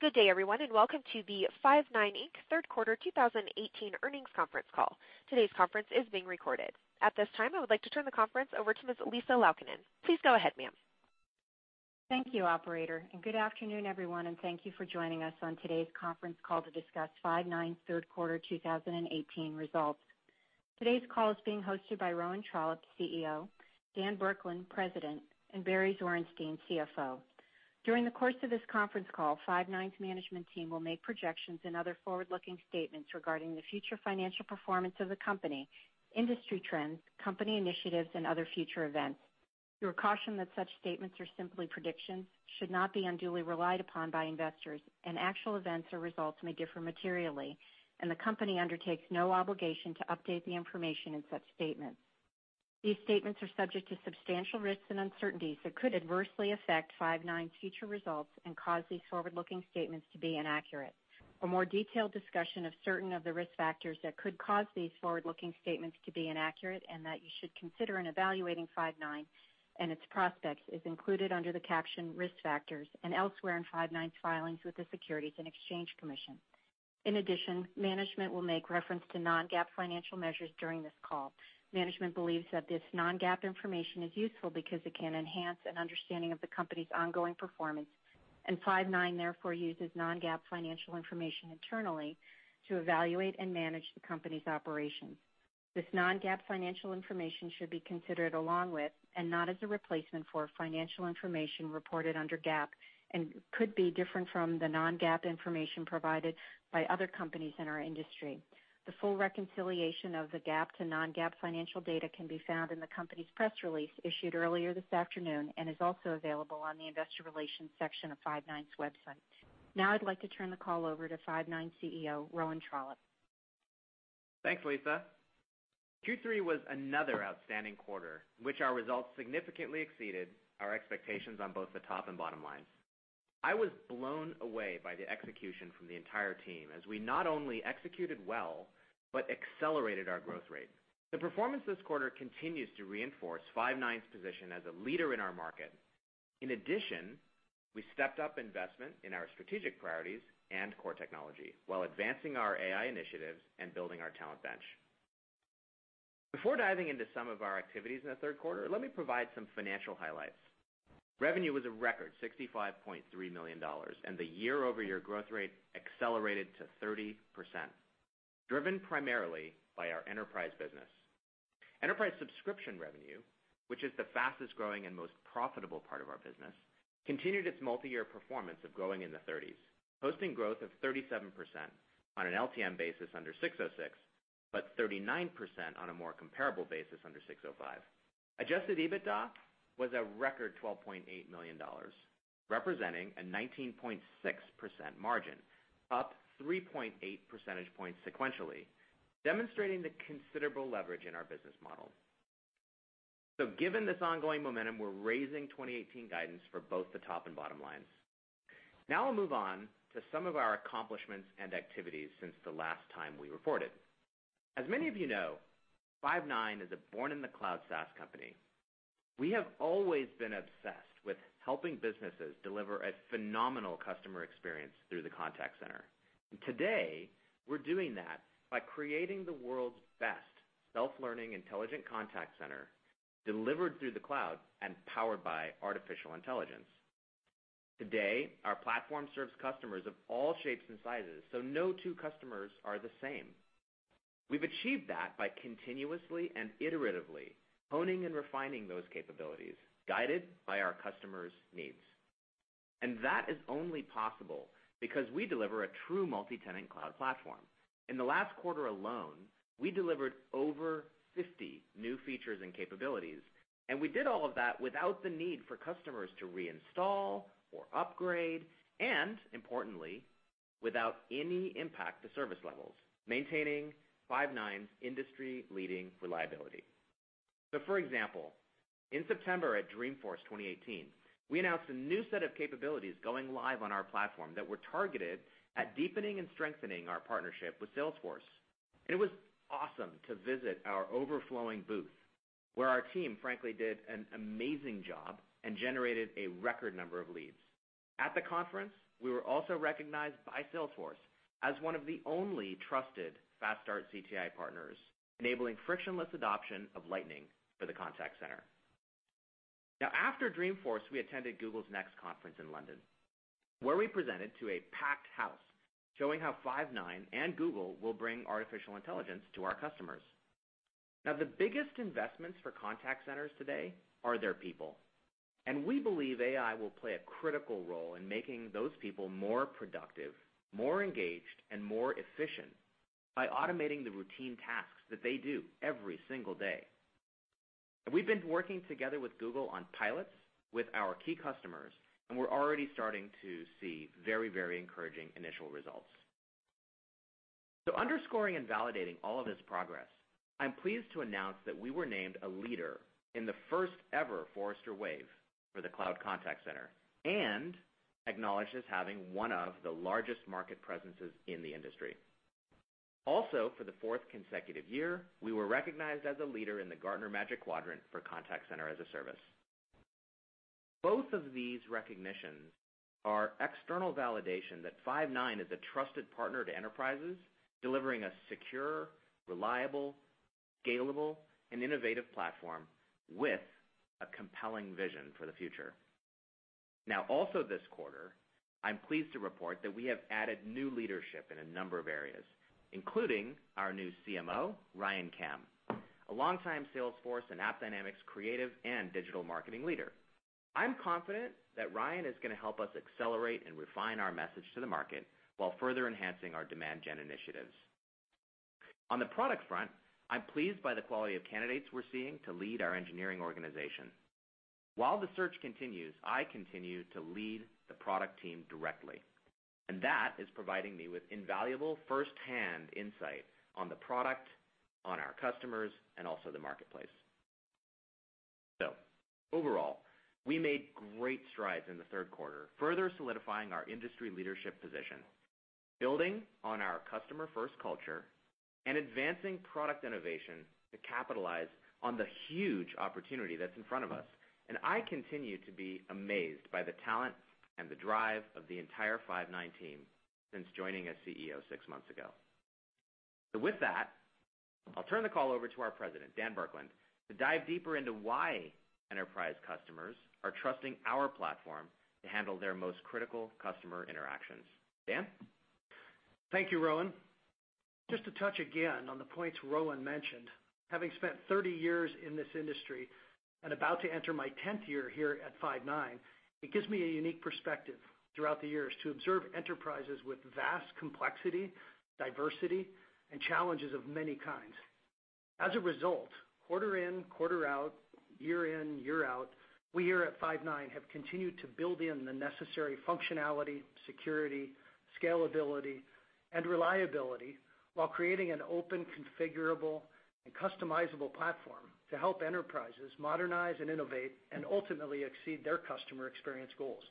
Good day everyone, welcome to the Five9 Inc. third quarter 2018 earnings conference call. Today's conference is being recorded. At this time, I would like to turn the conference over to Ms. Lisa Laukkanen. Please go ahead, ma'am. Thank you, operator, good afternoon, everyone, and thank you for joining us on today's conference call to discuss Five9 third quarter 2018 results. Today's call is being hosted by Rowan Trollope, CEO, Dan Burkland, President, and Barry Zwarenstein, CFO. During the course of this conference call, Five9's management team will make projections and other forward-looking statements regarding the future financial performance of the company, industry trends, company initiatives, and other future events. We caution that such statements are simply predictions, should not be unduly relied upon by investors, and actual events or results may differ materially. The company undertakes no obligation to update the information in such statements. These statements are subject to substantial risks and uncertainties that could adversely affect Five9's future results and cause these forward-looking statements to be inaccurate. For more detailed discussion of certain of the risk factors that could cause these forward-looking statements to be inaccurate, that you should consider in evaluating Five9 and its prospects, is included under the caption "Risk Factors" and elsewhere in Five9's filings with the Securities and Exchange Commission. In addition, management will make reference to non-GAAP financial measures during this call. Management believes that this non-GAAP information is useful because it can enhance an understanding of the company's ongoing performance. Five9 therefore uses non-GAAP financial information internally to evaluate and manage the company's operations. This non-GAAP financial information should be considered along with, and not as a replacement for, financial information reported under GAAP and could be different from the non-GAAP information provided by other companies in our industry. The full reconciliation of the GAAP to non-GAAP financial data can be found in the company's press release issued earlier this afternoon and is also available on the investor relations section of Five9's website. Now I'd like to turn the call over to Five9 CEO, Rowan Trollope. Thanks, Lisa. Q3 was another outstanding quarter, which our results significantly exceeded our expectations on both the top and bottom lines. I was blown away by the execution from the entire team as we not only executed well but accelerated our growth rate. The performance this quarter continues to reinforce Five9's position as a leader in our market. In addition, we stepped up investment in our strategic priorities and core technology while advancing our AI initiatives and building our talent bench. Before diving into some of our activities in the third quarter, let me provide some financial highlights. Revenue was a record $65.3 million, the year-over-year growth rate accelerated to 30%, driven primarily by our enterprise business. Enterprise subscription revenue, which is the fastest-growing and most profitable part of our business, continued its multi-year performance of growing in the 30s, posting growth of 37% on an LTM basis under 606, but 39% on a more comparable basis under 605. Adjusted EBITDA was a record $12.8 million, representing a 19.6% margin, up 3.8 percentage points sequentially, demonstrating the considerable leverage in our business model. Given this ongoing momentum, we're raising 2018 guidance for both the top and bottom lines. I'll move on to some of our accomplishments and activities since the last time we reported. As many of you know, Five9 is a born-in-the-cloud SaaS company. We have always been obsessed with helping businesses deliver a phenomenal customer experience through the contact center. Today, we're doing that by creating the world's best self-learning intelligent contact center delivered through the cloud and powered by artificial intelligence. Today, our platform serves customers of all shapes and sizes, no two customers are the same. We've achieved that by continuously and iteratively honing and refining those capabilities, guided by our customers' needs. That is only possible because we deliver a true multi-tenant cloud platform. In the last quarter alone, we delivered over 50 new features and capabilities, and we did all of that without the need for customers to reinstall or upgrade, and importantly, without any impact to service levels, maintaining Five9's industry-leading reliability. For example, in September at Dreamforce 2018, we announced a new set of capabilities going live on our platform that were targeted at deepening and strengthening our partnership with Salesforce. It was awesome to visit our overflowing booth, where our team frankly did an amazing job and generated a record number of leads. At the conference, we were also recognized by Salesforce as one of the only trusted fast start CTI partners, enabling frictionless adoption of Lightning for the contact center. After Dreamforce, we attended Google Cloud Next conference in London, where we presented to a packed house, showing how Five9 and Google will bring artificial intelligence to our customers. The biggest investments for contact centers today are their people, and we believe AI will play a critical role in making those people more productive, more engaged, and more efficient by automating the routine tasks that they do every single day. We've been working together with Google on pilots with our key customers, and we're already starting to see very encouraging initial results. Underscoring and validating all of this progress, I'm pleased to announce that we were named a leader in the first ever Forrester Wave for the cloud contact center, and acknowledged as having one of the largest market presences in the industry. Also, for the fourth consecutive year, we were recognized as a leader in the Gartner Magic Quadrant for contact center as a service. Both of these recognitions are external validation that Five9 is a trusted partner to enterprises, delivering a secure, reliable, scalable, and innovative platform with a compelling vision for the future. Also this quarter, I'm pleased to report that we have added new leadership in a number of areas, including our new CMO, Ryan Kam, a longtime Salesforce and AppDynamics creative and digital marketing leader. I'm confident that Ryan is going to help us accelerate and refine our message to the market while further enhancing our demand gen initiatives. On the product front, I'm pleased by the quality of candidates we're seeing to lead our engineering organization. While the search continues, I continue to lead the product team directly, and that is providing me with invaluable firsthand insight on the product, on our customers, and also the marketplace. Overall, we made great strides in the third quarter, further solidifying our industry leadership position, building on our customer-first culture, and advancing product innovation to capitalize on the huge opportunity that's in front of us. And I continue to be amazed by the talent and the drive of the entire Five9 team since joining as CEO six months ago. With that, I'll turn the call over to our President, Dan Burkland, to dive deeper into why enterprise customers are trusting our platform to handle their most critical customer interactions. Dan? Thank you, Rowan. Just to touch again on the points Rowan mentioned, having spent 30 years in this industry and about to enter my 10th year here at Five9, it gives me a unique perspective throughout the years to observe enterprises with vast complexity, diversity, and challenges of many kinds. As a result, quarter in, quarter out, year in, year out, we here at Five9 have continued to build in the necessary functionality, security, scalability, and reliability while creating an open, configurable, and customizable platform to help enterprises modernize and innovate and ultimately exceed their customer experience goals.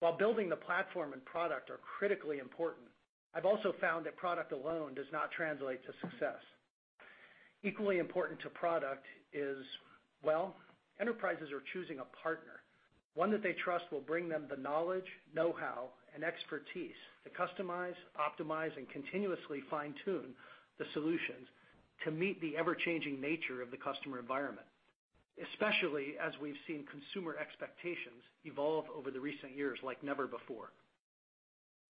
While building the platform and product are critically important, I've also found that product alone does not translate to success. Equally important to product is, well, enterprises are choosing a partner, one that they trust will bring them the knowledge, know-how, and expertise to customize, optimize, and continuously fine-tune the solutions to meet the ever-changing nature of the customer environment, especially as we've seen consumer expectations evolve over the recent years like never before.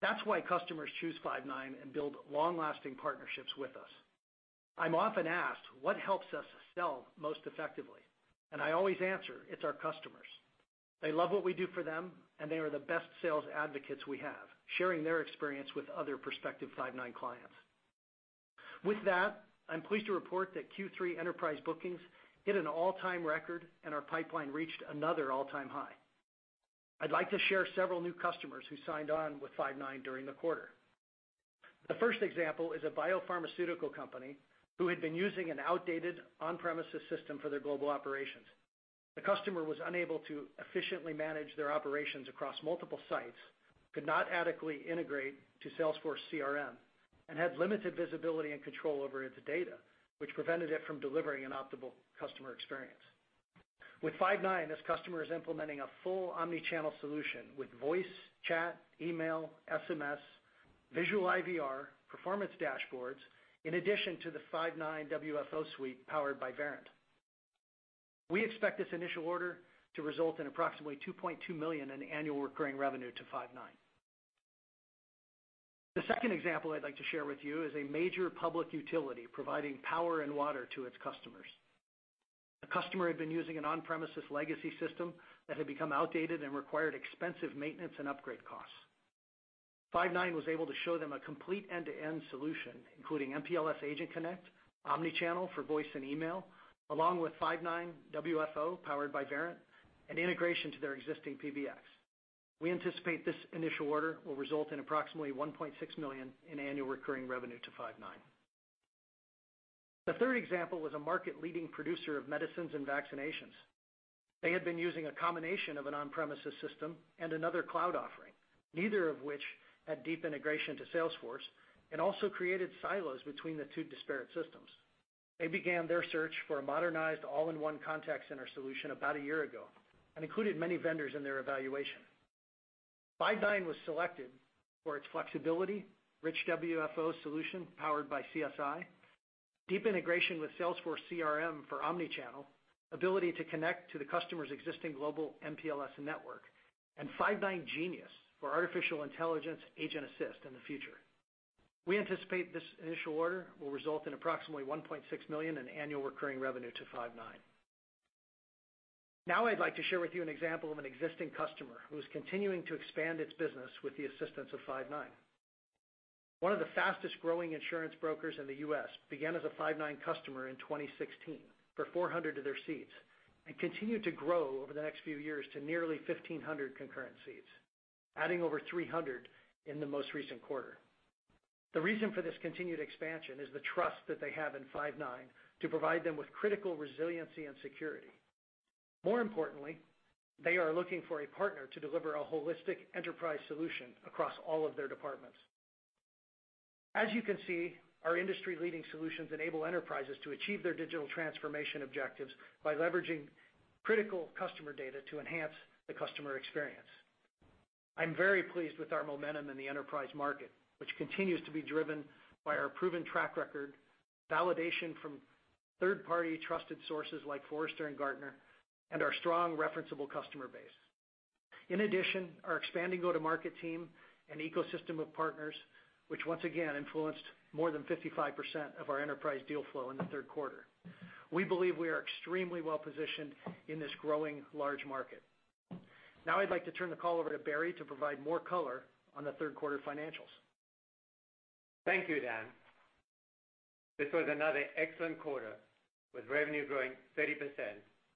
That's why customers choose Five9 and build long-lasting partnerships with us. I'm often asked what helps us sell most effectively, and I always answer, "It's our customers." They love what we do for them, and they are the best sales advocates we have, sharing their experience with other prospective Five9 clients. With that, I'm pleased to report that Q3 enterprise bookings hit an all-time record, and our pipeline reached another all-time high. I'd like to share several new customers who signed on with Five9 during the quarter. The first example is a biopharmaceutical company who had been using an outdated on-premises system for their global operations. The customer was unable to efficiently manage their operations across multiple sites, could not adequately integrate to Salesforce CRM, and had limited visibility and control over its data, which prevented it from delivering an optimal customer experience. With Five9, this customer is implementing a full omnichannel solution with voice, chat, email, SMS, visual IVR, performance dashboards, in addition to the Five9 WFO suite powered by Verint. We expect this initial order to result in approximately $2.2 million in annual recurring revenue to Five9. The second example I'd like to share with you is a major public utility providing power and water to its customers. The customer had been using an on-premises legacy system that had become outdated and required expensive maintenance and upgrade costs. Five9 was able to show them a complete end-to-end solution, including MPLS Agent Connect, omnichannel for voice and email, along with Five9 WFO powered by Verint, and integration to their existing PBX. We anticipate this initial order will result in approximately $1.6 million in annual recurring revenue to Five9. The third example was a market-leading producer of medicines and vaccinations. They had been using a combination of an on-premises system and another cloud offering, neither of which had deep integration to Salesforce and also created silos between the two disparate systems. They began their search for a modernized, all-in-one contact center solution about a year ago and included many vendors in their evaluation. Five9 was selected for its flexibility, rich WFO solution powered by CSI, deep integration with Salesforce CRM for omnichannel, ability to connect to the customer's existing global MPLS network, and Five9 Genius for artificial intelligence agent assist in the future. We anticipate this initial order will result in approximately $1.6 million in annual recurring revenue to Five9. I'd like to share with you an example of an existing customer who's continuing to expand its business with the assistance of Five9. One of the fastest-growing insurance brokers in the U.S. began as a Five9 customer in 2016 for 400 of their seats and continued to grow over the next few years to nearly 1,500 concurrent seats, adding over 300 in the most recent quarter. The reason for this continued expansion is the trust that they have in Five9 to provide them with critical resiliency and security. More importantly, they are looking for a partner to deliver a holistic enterprise solution across all of their departments. As you can see, our industry-leading solutions enable enterprises to achieve their digital transformation objectives by leveraging critical customer data to enhance the customer experience. I'm very pleased with our momentum in the enterprise market, which continues to be driven by our proven track record, validation from third-party trusted sources like Forrester and Gartner, and our strong referenceable customer base. In addition, our expanding go-to-market team and ecosystem of partners, which once again influenced more than 55% of our enterprise deal flow in the third quarter. We believe we are extremely well-positioned in this growing large market. Now I'd like to turn the call over to Barry to provide more color on the third quarter financials. Thank you, Dan. This was another excellent quarter, with revenue growing 30%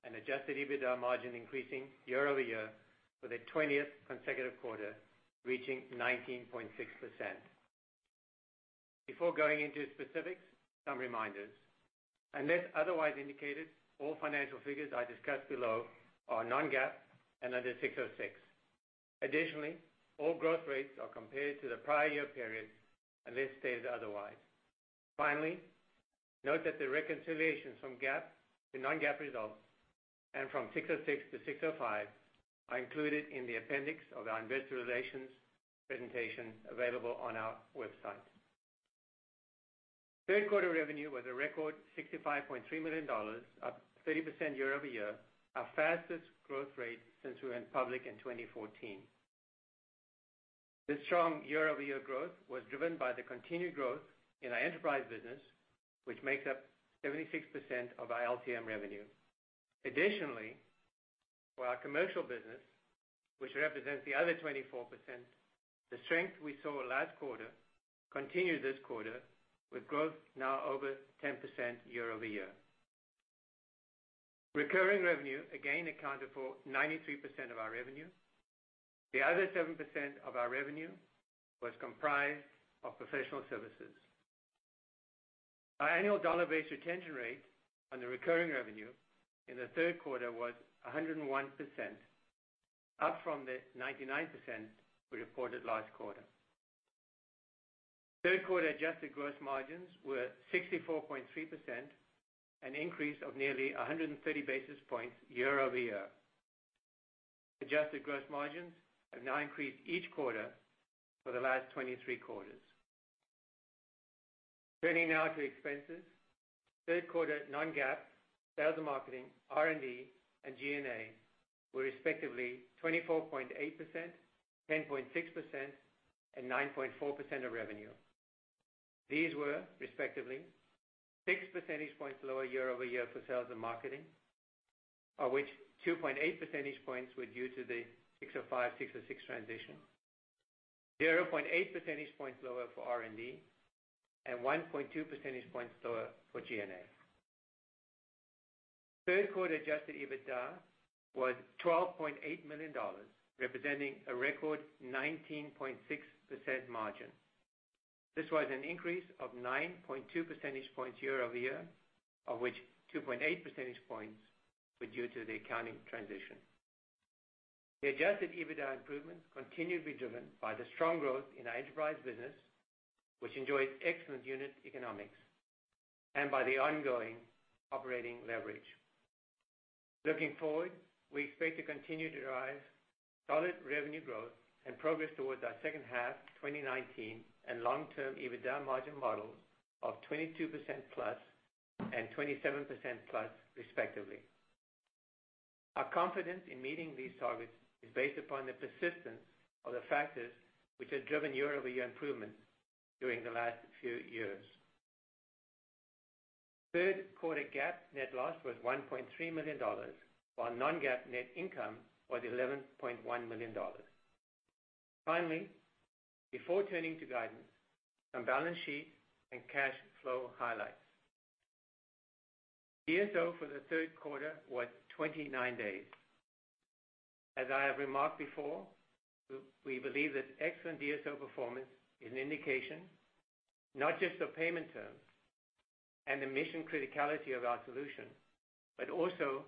and adjusted EBITDA margin increasing year-over-year for the 20th consecutive quarter, reaching 19.6%. Before going into specifics, some reminders. Unless otherwise indicated, all financial figures I discuss below are non-GAAP and under ASC 606. Additionally, all growth rates are compared to the prior year period unless stated otherwise. Finally, note that the reconciliations from GAAP to non-GAAP results and from ASC 606 to ASC 605 are included in the appendix of our investor relations presentation available on our website. Third quarter revenue was a record $65.3 million, up 30% year-over-year, our fastest growth rate since we went public in 2014. This strong year-over-year growth was driven by the continued growth in our enterprise business, which makes up 76% of our LTM revenue. Additionally, for our commercial business, which represents the other 24%, the strength we saw last quarter continued this quarter, with growth now over 10% year-over-year. Recurring revenue again accounted for 93% of our revenue. The other 7% of our revenue was comprised of professional services. Our annual dollar-based retention rate on the recurring revenue in the third quarter was 101%, up from the 99% we reported last quarter. Third quarter adjusted gross margins were 64.3%, an increase of nearly 130 basis points year-over-year. Adjusted gross margins have now increased each quarter for the last 23 quarters. Turning now to expenses. Third quarter non-GAAP, sales and marketing, R&D, and G&A were respectively 24.8%, 10.6%, and 9.4% of revenue. These were respectively six percentage points lower year-over-year for sales and marketing, of which 2.8 percentage points were due to the ASC 605, ASC 606 transition, 0.8 percentage points lower for R&D, and 1.2 percentage points lower for G&A. Third quarter adjusted EBITDA was $12.8 million, representing a record 19.6% margin. This was an increase of 9.2 percentage points year-over-year, of which 2.8 percentage points were due to the accounting transition. The adjusted EBITDA improvements continue to be driven by the strong growth in our enterprise business, which enjoys excellent unit economics, and by the ongoing operating leverage. Looking forward, we expect to continue to derive solid revenue growth and progress towards our second half 2019 and long-term EBITDA margin models of 22%-plus and 27%-plus respectively. Our confidence in meeting these targets is based upon the persistence of the factors which have driven year-over-year improvements during the last few years. Third quarter GAAP net loss was $1.3 million, while non-GAAP net income was $11.1 million. Finally, before turning to guidance, some balance sheet and cash flow highlights. DSO for the third quarter was 29 days. As I have remarked before, we believe that excellent DSO performance is an indication not just of payment terms and the mission criticality of our solution, but also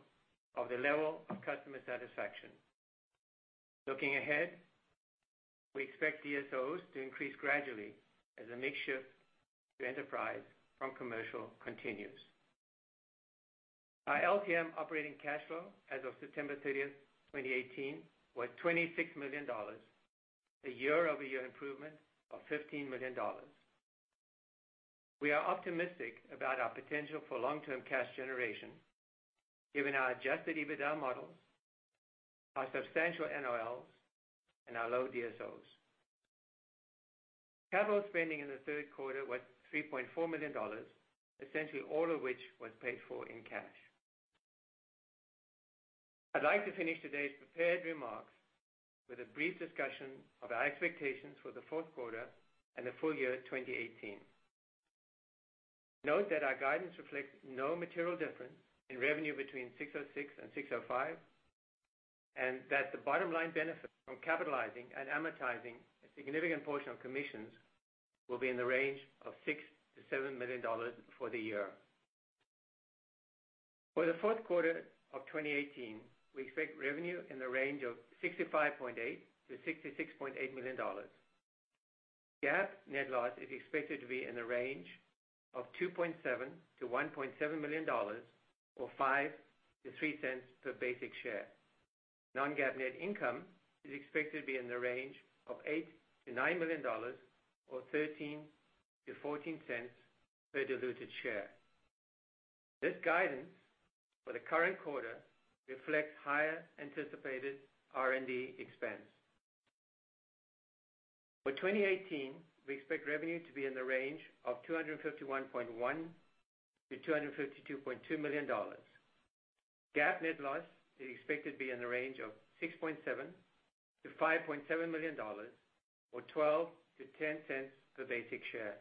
of the level of customer satisfaction. Looking ahead, we expect DSOs to increase gradually as the mix shift to enterprise from commercial continues. Our LTM operating cash flow as of September 30, 2018, was $26 million, a year-over-year improvement of $15 million. We are optimistic about our potential for long-term cash generation given our adjusted EBITDA models, our substantial NOLs, and our low DSOs. Capital spending in the third quarter was $3.4 million, essentially all of which was paid for in cash. I'd like to finish today's prepared remarks with a brief discussion of our expectations for the fourth quarter and the full year 2018. Note that our guidance reflects no material difference in revenue between ASC 606 and ASC 605. That the bottom line benefit from capitalizing and amortizing a significant portion of commissions will be in the range of $6 million-$7 million for the year. For the fourth quarter of 2018, we expect revenue in the range of $65.8 million-$66.8 million. GAAP net loss is expected to be in the range of $2.7 million-$1.7 million, or $0.05-$0.03 per basic share. Non-GAAP net income is expected to be in the range of $8 million-$9 million or $0.13-$0.14 per diluted share. This guidance for the current quarter reflects higher anticipated R&D expense. For 2018, we expect revenue to be in the range of $251.1 million-$252.2 million. GAAP net loss is expected to be in the range of $6.7 million-$5.7 million or $0.12-$0.10 per basic share.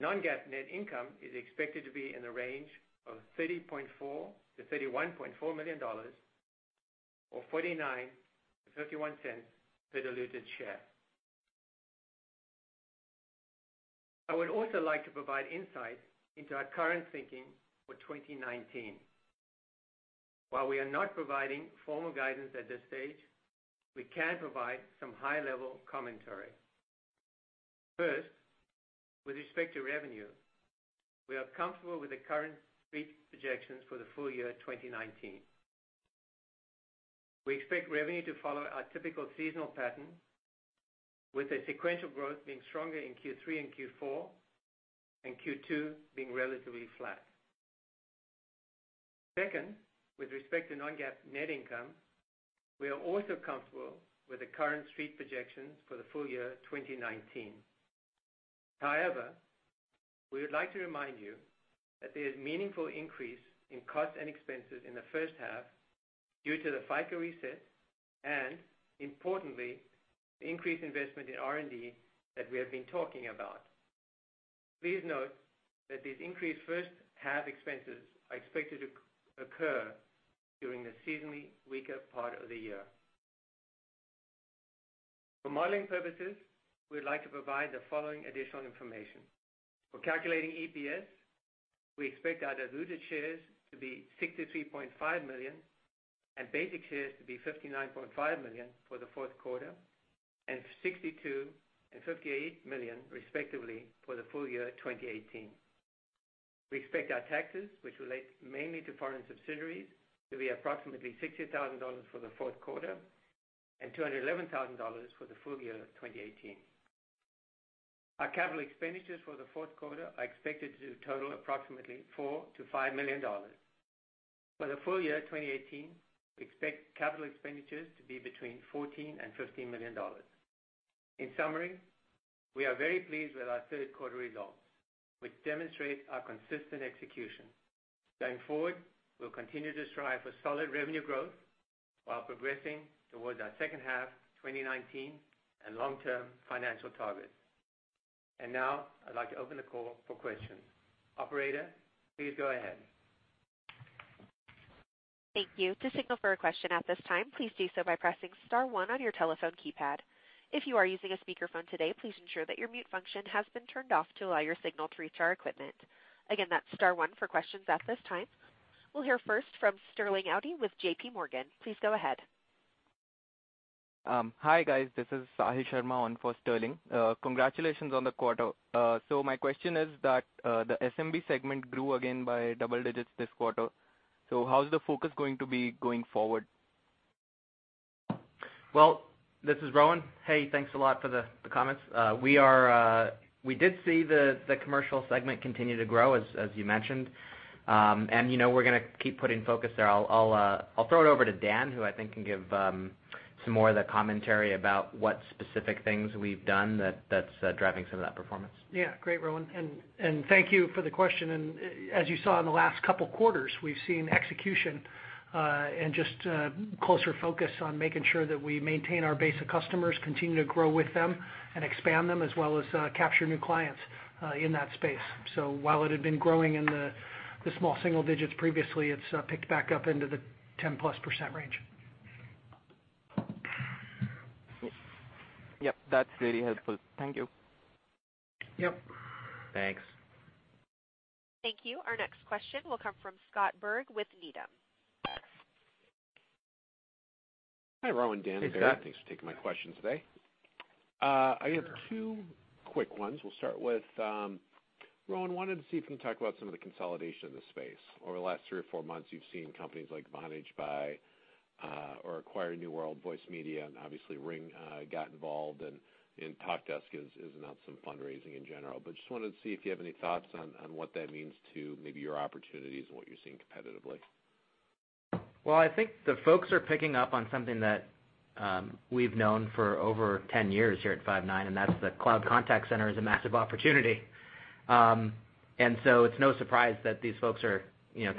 Non-GAAP net income is expected to be in the range of $30.4 million-$31.4 million or $0.49-$0.51 per diluted share. I would also like to provide insight into our current thinking for 2019. While we are not providing formal guidance at this stage, we can provide some high-level commentary. First, with respect to revenue, we are comfortable with the current street projections for the full year 2019. We expect revenue to follow our typical seasonal pattern, with a sequential growth being stronger in Q3 and Q4, and Q2 being relatively flat. Second, with respect to non-GAAP net income, we are also comfortable with the current street projections for the full year 2019. However, we would like to remind you that there's meaningful increase in cost and expenses in the first half due to the FICA reset and, importantly, the increased investment in R&D that we have been talking about. Please note that these increased first half expenses are expected to occur during the seasonally weaker part of the year. For modeling purposes, we'd like to provide the following additional information. For calculating EPS, we expect our diluted shares to be $63.5 million and basic shares to be $59.5 million for the fourth quarter, and $62 million and $58 million, respectively, for the full year 2018. We expect our taxes, which relate mainly to foreign subsidiaries, to be approximately $60,000 for the fourth quarter and $211,000 for the full year of 2018. Our capital expenditures for the fourth quarter are expected to total approximately $4 million-$5 million. For the full year 2018, we expect capital expenditures to be between $14 million and $15 million. In summary, we are very pleased with our third quarter results, which demonstrate our consistent execution. Going forward, we'll continue to strive for solid revenue growth while progressing towards our second half 2019 and long-term financial targets. Now I'd like to open the call for questions. Operator, please go ahead. Thank you. To signal for a question at this time, please do so by pressing star one on your telephone keypad. If you are using a speakerphone today, please ensure that your mute function has been turned off to allow your signal to reach our equipment. Again, that's star one for questions at this time. We'll hear first from Sterling Auty with J.P. Morgan. Please go ahead. Hi, guys. This is Sahil Sharma on for Sterling. Congratulations on the quarter. My question is that the SMB segment grew again by double digits this quarter. How's the focus going to be going forward? Well, this is Rowan. Hey, thanks a lot for the comments. We did see the commercial segment continue to grow, as you mentioned. We're going to keep putting focus there. I'll throw it over to Dan, who I think can give some more of the commentary about what specific things we've done that's driving some of that performance. Yeah. Great, Rowan. Thank you for the question, as you saw in the last couple of quarters, we've seen execution and just a closer focus on making sure that we maintain our base of customers, continue to grow with them and expand them, as well as capture new clients in that space. While it had been growing in the small single digits previously, it's picked back up into the 10-plus% range. Yep, that's very helpful. Thank you. Yep. Thanks. Thank you. Our next question will come from Scott Berg with Needham. Hi, Rowan, Dan Burkland. Hey, Scott. Thanks for taking my questions today. I have two quick ones. We'll start with, Rowan, wanted to see if you can talk about some of the consolidation in the space. Over the last three or four months, you've seen companies like Vonage buy or acquire NewVoiceMedia, and obviously RingCentral got involved, and Talkdesk has announced some fundraising in general. Just wanted to see if you have any thoughts on what that means to maybe your opportunities and what you're seeing competitively. I think the folks are picking up on something that we've known for over 10 years here at Five9, and that's that cloud contact center is a massive opportunity. It's no surprise that these folks are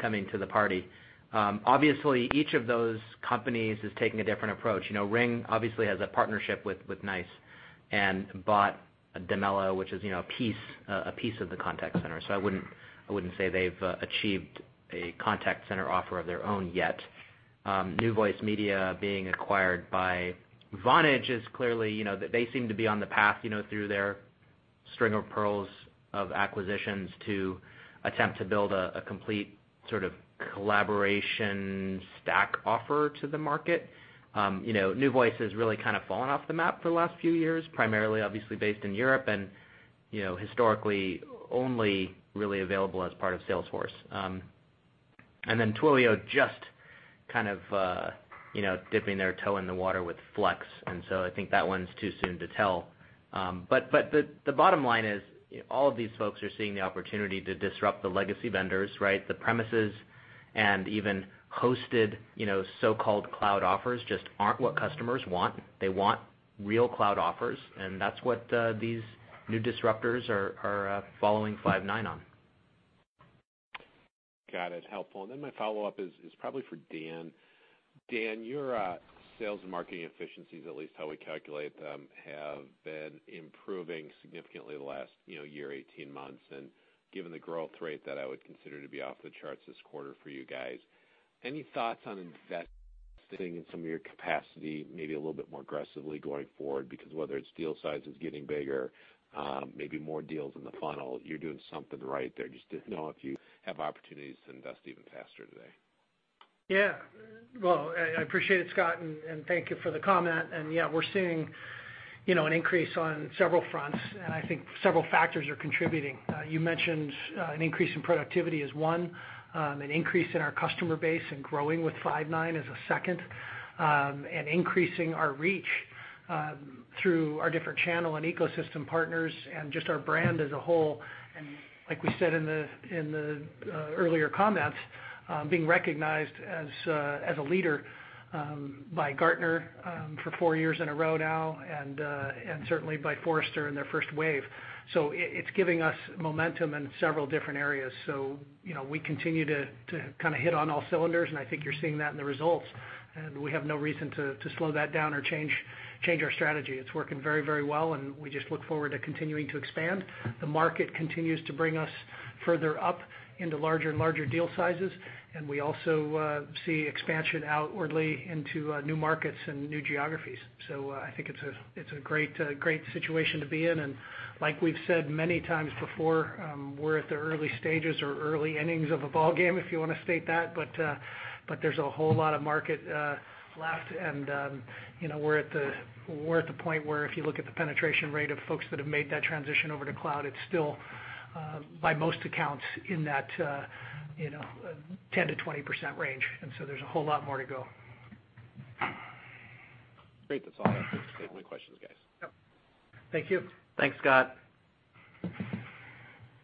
coming to the party. Obviously, each of those companies is taking a different approach. RingCentral obviously has a partnership with NICE and bought Dimelo, which is a piece of the contact center. So I wouldn't say they've achieved a contact center offer of their own yet. NewVoiceMedia being acquired by Vonage, they seem to be on the path through their string of pearls of acquisitions to attempt to build a complete sort of collaboration stack offer to the market. NewVoice has really kind of fallen off the map for the last few years, primarily obviously based in Europe and historically only really available as part of Salesforce. Twilio just kind of dipping their toe in the water with Flex, I think that one's too soon to tell. The bottom line is all of these folks are seeing the opportunity to disrupt the legacy vendors, right? The premises and even hosted, so-called cloud offers just aren't what customers want. They want real cloud offers, and that's what these new disruptors are following Five9 on. Got it. Helpful. My follow-up is probably for Dan. Dan, your sales and marketing efficiencies, at least how we calculate them, have been improving significantly the last year, 18 months. Given the growth rate that I would consider to be off the charts this quarter for you guys, any thoughts on investing in some of your capacity, maybe a little bit more aggressively going forward? Because whether it's deal sizes getting bigger, maybe more deals in the funnel, you're doing something right there. Just to know if you have opportunities to invest even faster today. I appreciate it, Scott, and thank you for the comment. We're seeing an increase on several fronts, and I think several factors are contributing. You mentioned an increase in productivity is one, an increase in our customer base and growing with Five9 is a second, and increasing our reach through our different channel and ecosystem partners and just our brand as a whole. Like we said in the earlier comments, being recognized as a leader by Gartner for four years in a row now, and certainly by Forrester in their first wave. It's giving us momentum in several different areas. We continue to kind of hit on all cylinders, and I think you're seeing that in the results, and we have no reason to slow that down or change our strategy. It's working very well. We just look forward to continuing to expand. The market continues to bring us further up into larger and larger deal sizes. We also see expansion outwardly into new markets and new geographies. I think it's a great situation to be in. Like we've said many times before, we're at the early stages or early innings of a ballgame, if you want to state that, but there's a whole lot of market left, and we're at the point where if you look at the penetration rate of folks that have made that transition over to cloud, it's still, by most accounts, in that 10%-20% range. There's a whole lot more to go. Great. That's all I have. Those are my questions, guys. Yep. Thank you. Thanks, Scott.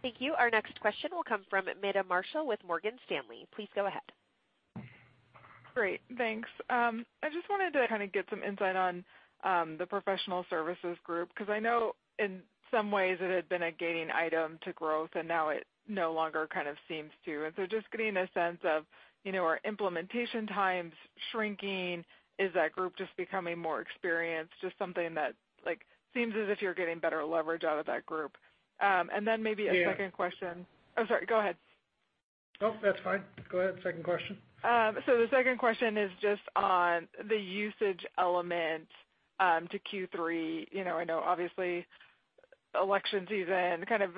Thank you. Our next question will come from Meta Marshall with Morgan Stanley. Please go ahead. Great. Thanks. I just wanted to kind of get some insight on the professional services group, because I know in some ways it had been a gating item to growth, and now it no longer kind of seems to. Just getting a sense of, are implementation times shrinking? Is that group just becoming more experienced? Just something that seems as if you're getting better leverage out of that group. Maybe a second question-- Oh, sorry. Go ahead. Oh, that's fine. Go ahead. Second question. The second question is just on the usage element to Q3. I know obviously election season, kind of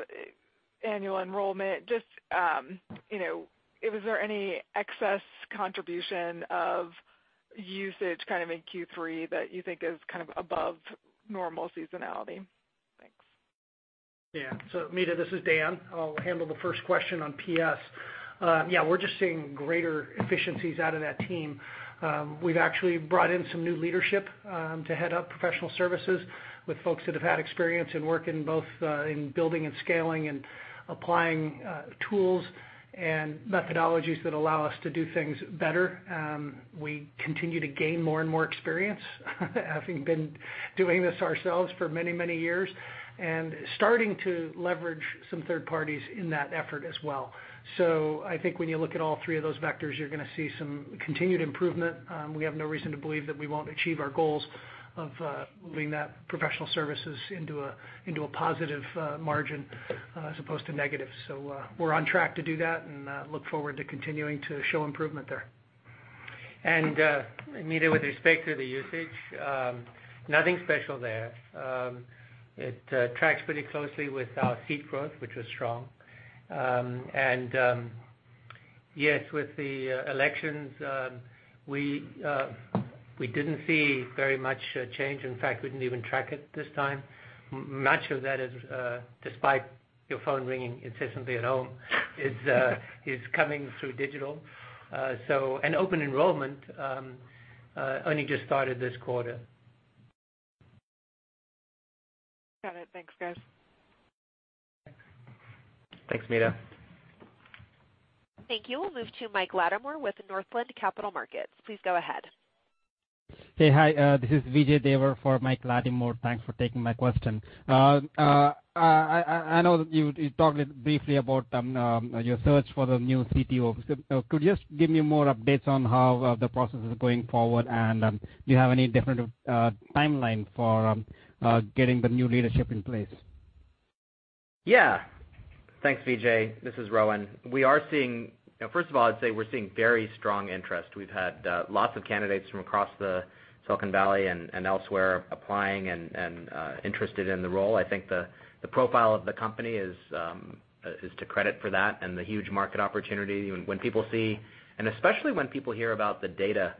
annual enrollment, just was there any excess contribution of usage in Q3 that you think is above normal seasonality? Thanks. Meta, this is Dan. I'll handle the first question on PS. We're just seeing greater efficiencies out of that team. We've actually brought in some new leadership to head up professional services with folks that have had experience in working both in building and scaling and applying tools and methodologies that allow us to do things better. We continue to gain more and more experience, having been doing this ourselves for many years, and starting to leverage some third parties in that effort as well. I think when you look at all three of those vectors, you're going to see some continued improvement. We have no reason to believe that we won't achieve our goals of moving that professional services into a positive margin as opposed to negative. We're on track to do that and look forward to continuing to show improvement there. Meta, with respect to the usage, nothing special there. It tracks pretty closely with our seat growth, which was strong. Yes, with the elections, we didn't see very much change. In fact, we didn't even track it this time. Much of that is despite your phone ringing incessantly at home, is coming through digital, Open enrollment only just started this quarter. Got it. Thanks, guys. Thanks, Meta. Thank you. We will move to Michael Latimore with Northland Capital Markets. Please go ahead. Hey, hi. This is Vijay Dever for Michael Latimore. Thanks for taking my question. I know you talked briefly about your search for the new CTO. Could you just give me more updates on how the process is going forward, and do you have any definitive timeline for getting the new leadership in place? Yeah. Thanks, Vijay. This is Rowan. First of all, I would say we are seeing very strong interest. We have had lots of candidates from across the Silicon Valley and elsewhere applying and interested in the role. I think the profile of the company is to credit for that and the huge market opportunity when people see, and especially when people hear about the data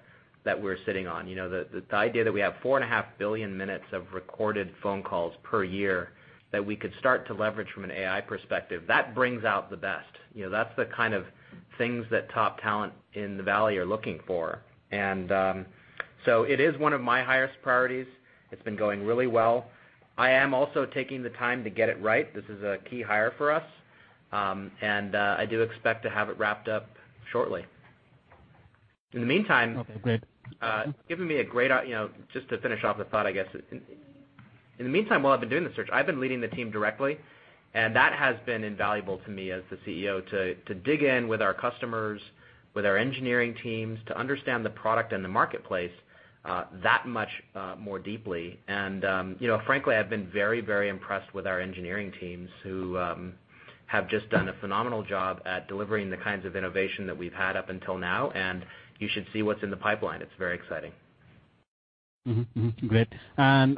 that we are sitting on. The idea that we have four and a half billion minutes of recorded phone calls per year that we could start to leverage from an AI perspective. That brings out the best. That is the kind of things that top talent in the Valley are looking for. It is one of my highest priorities. It has been going really well. I am also taking the time to get it right. This is a key hire for us. I do expect to have it wrapped up shortly. Okay, great. Just to finish off the thought, I guess, in the meantime, while I've been doing the search, I've been leading the team directly, that has been invaluable to me as the CEO to dig in with our customers, with our engineering teams, to understand the product and the marketplace, that much more deeply. Frankly, I've been very, very impressed with our engineering teams who have just done a phenomenal job at delivering the kinds of innovation that we've had up until now, you should see what's in the pipeline. It's very exciting. Great. I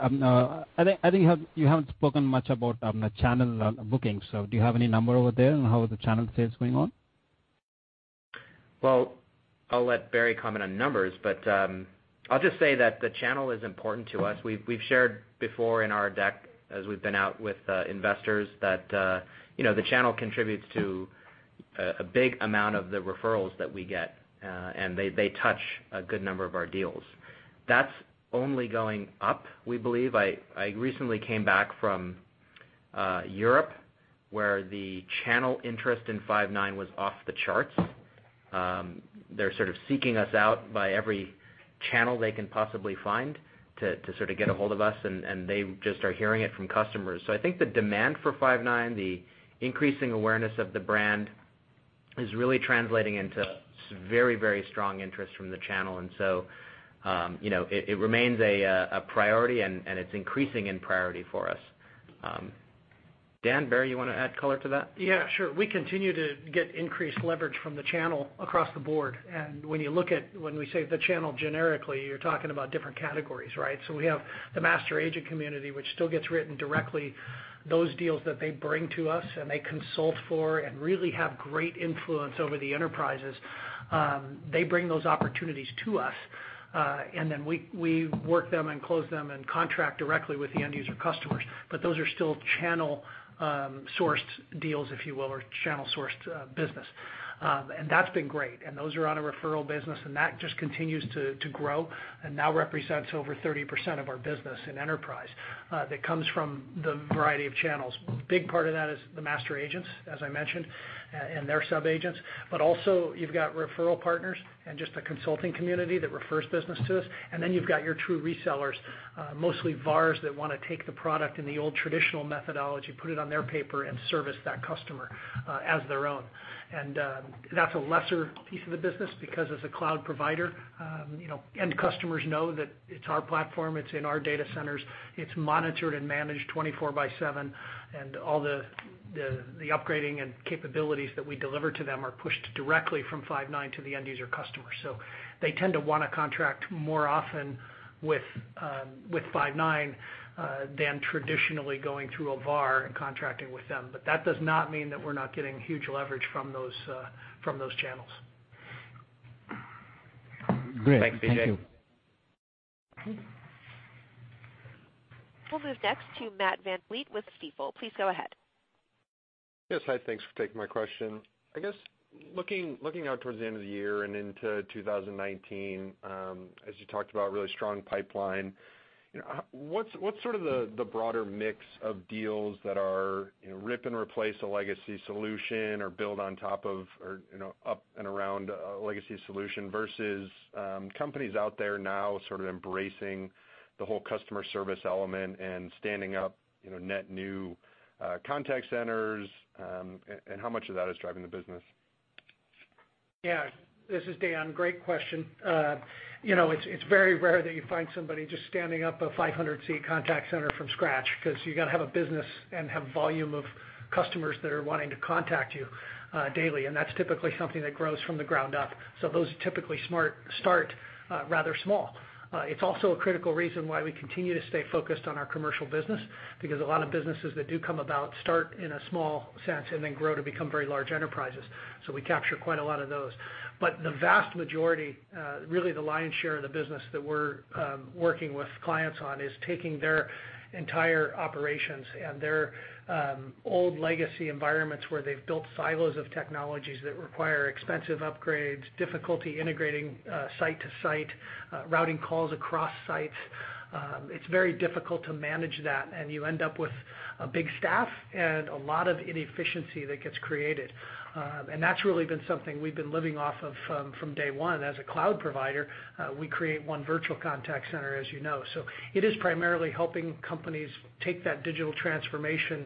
think you haven't spoken much about the channel bookings. Do you have any number over there on how the channel sales going on? I'll let Barry comment on numbers, but I'll just say that the channel is important to us. We've shared before in our deck as we've been out with investors that the channel contributes to a big amount of the referrals that we get. They touch a good number of our deals. That's only going up, we believe. I recently came back from Europe, where the channel interest in Five9 was off the charts. They're sort of seeking us out by every channel they can possibly find to sort of get ahold of us, and they just are hearing it from customers. I think the demand for Five9, the increasing awareness of the brand, is really translating into some very, very strong interest from the channel. It remains a priority, and it's increasing in priority for us. Dan, Barry, you want to add color to that? Yeah, sure. We continue to get increased leverage from the channel across the board. When we say the channel generically, you're talking about different categories, right? We have the master agent community, which still gets written directly. Those deals that they bring to us and they consult for and really have great influence over the enterprises, they bring those opportunities to us, and then we work them and close them and contract directly with the end user customers. Those are still channel sourced deals, if you will, or channel sourced business. That's been great. Those are on a referral business, and that just continues to grow and now represents over 30% of our business in enterprise that comes from the variety of channels. Big part of that is the master agents, as I mentioned, and their sub-agents. Also you've got referral partners and just the consulting community that refers business to us. Then you've got your true resellers, mostly VARs that want to take the product in the old traditional methodology, put it on their paper and service that customer as their own. That's a lesser piece of the business because as a cloud provider, end customers know that it's our platform, it's in our data centers, it's monitored and managed 24 by seven, and all the upgrading and capabilities that we deliver to them are pushed directly from Five9 to the end user customer. They tend to want to contract more often with Five9, than traditionally going through a VAR and contracting with them. That does not mean that we're not getting huge leverage from those channels. Great. Thank you. Thanks, Vijay. We'll move next to Matt VanVleet with Stifel. Please go ahead. Yes, hi, thanks for taking my question. I guess looking out towards the end of the year and into 2019, as you talked about really strong pipeline, what's sort of the broader mix of deals that are rip and replace a legacy solution or build on top of or up and around a legacy solution versus companies out there now sort of embracing the whole customer service element and standing up net new contact centers, and how much of that is driving the business? This is Dan. Great question. It's very rare that you find somebody just standing up a 500-seat contact center from scratch because you got to have a business and have volume of customers that are wanting to contact you daily. That's typically something that grows from the ground up. Those typically start rather small. It's also a critical reason why we continue to stay focused on our commercial business because a lot of businesses that do come about start in a small sense and then grow to become very large enterprises. We capture quite a lot of those. The vast majority, really the lion's share of the business that we're working with clients on is taking their entire operations and their old legacy environments where they've built silos of technologies that require expensive upgrades, difficulty integrating site to site, routing calls across sites. It's very difficult to manage that, and you end up with a big staff and a lot of inefficiency that gets created. That's really been something we've been living off of from day one. As a cloud provider, we create one virtual contact center, as you know. It is primarily helping companies take that digital transformation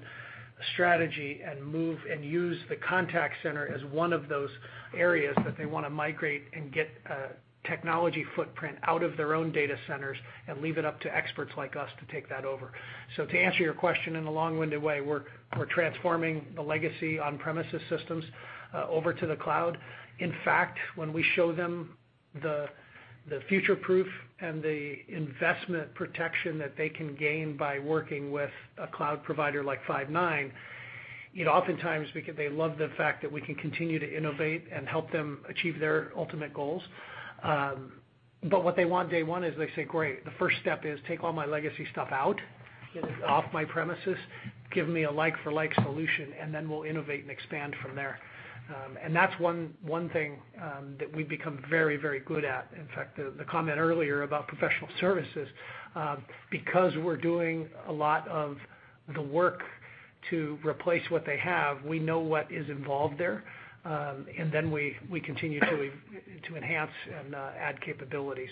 strategy and move and use the contact center as one of those areas that they want to migrate and get a technology footprint out of their own data centers and leave it up to experts like us to take that over. To answer your question in a long-winded way, we're transforming the legacy on-premises systems over to the cloud. In fact, when we show them the future-proof and the investment protection that they can gain by working with a cloud provider like Five9, oftentimes, because they love the fact that we can continue to innovate and help them achieve their ultimate goals. What they want day one is they say, "Great. The first step is take all my legacy stuff out, get it off my premises, give me a like-for-like solution, and then we'll innovate and expand from there." That's one thing that we've become very good at. In fact, the comment earlier about professional services, because we're doing a lot of the work to replace what they have, we know what is involved there, and then we continue to enhance and add capabilities.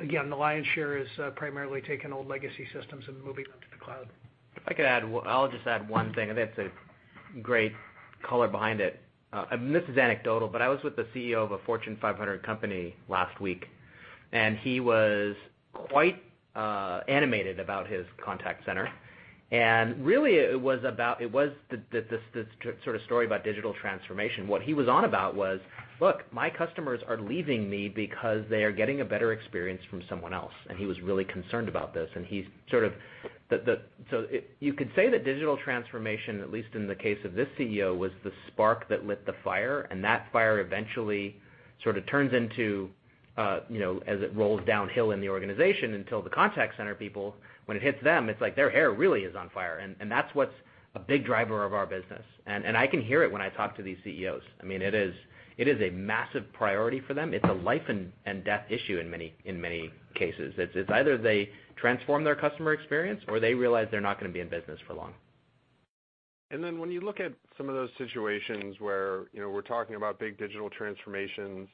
Again, the lion's share is primarily taking old legacy systems and moving them to the cloud. If I could add, I'll just add one thing, that's a great color behind it. This is anecdotal, but I was with the CEO of a Fortune 500 company last week, he was quite animated about his contact center, and really it was this sort of story about digital transformation. What he was on about was, "Look, my customers are leaving me because they are getting a better experience from someone else." He was really concerned about this, so you could say that digital transformation, at least in the case of this CEO, was the spark that lit the fire, and that fire eventually sort of turns into, as it rolls downhill in the organization until the contact center people, when it hits them, it's like their hair really is on fire. That's what's a big driver of our business. I can hear it when I talk to these CEOs. It is a massive priority for them. It's a life and death issue in many cases. It's either they transform their customer experience, or they realize they're not going to be in business for long. When you look at some of those situations where we're talking about big digital transformations,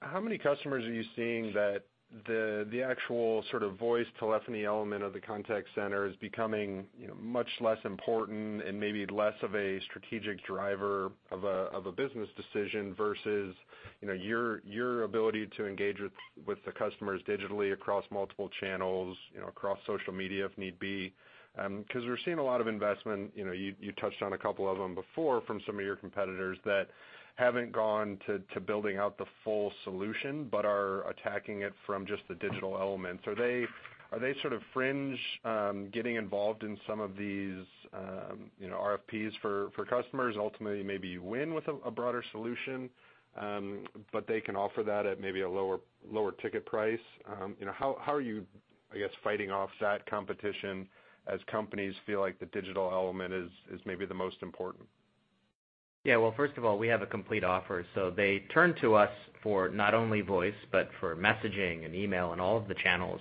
how many customers are you seeing that the actual sort of voice telephony element of the contact center is becoming much less important and maybe less of a strategic driver of a business decision versus your ability to engage with the customers digitally across multiple channels, across social media if need be? Because we're seeing a lot of investment, you touched on a couple of them before from some of your competitors that haven't gone to building out the full solution, but are attacking it from just the digital elements. Are they sort of fringe getting involved in some of these RFPs for customers, ultimately maybe you win with a broader solution, but they can offer that at maybe a lower ticket price? How are you, I guess, fighting off that competition as companies feel like the digital element is maybe the most important? Yeah. Well, first of all, we have a complete offer. They turn to us for not only voice, but for messaging and email and all of the channels.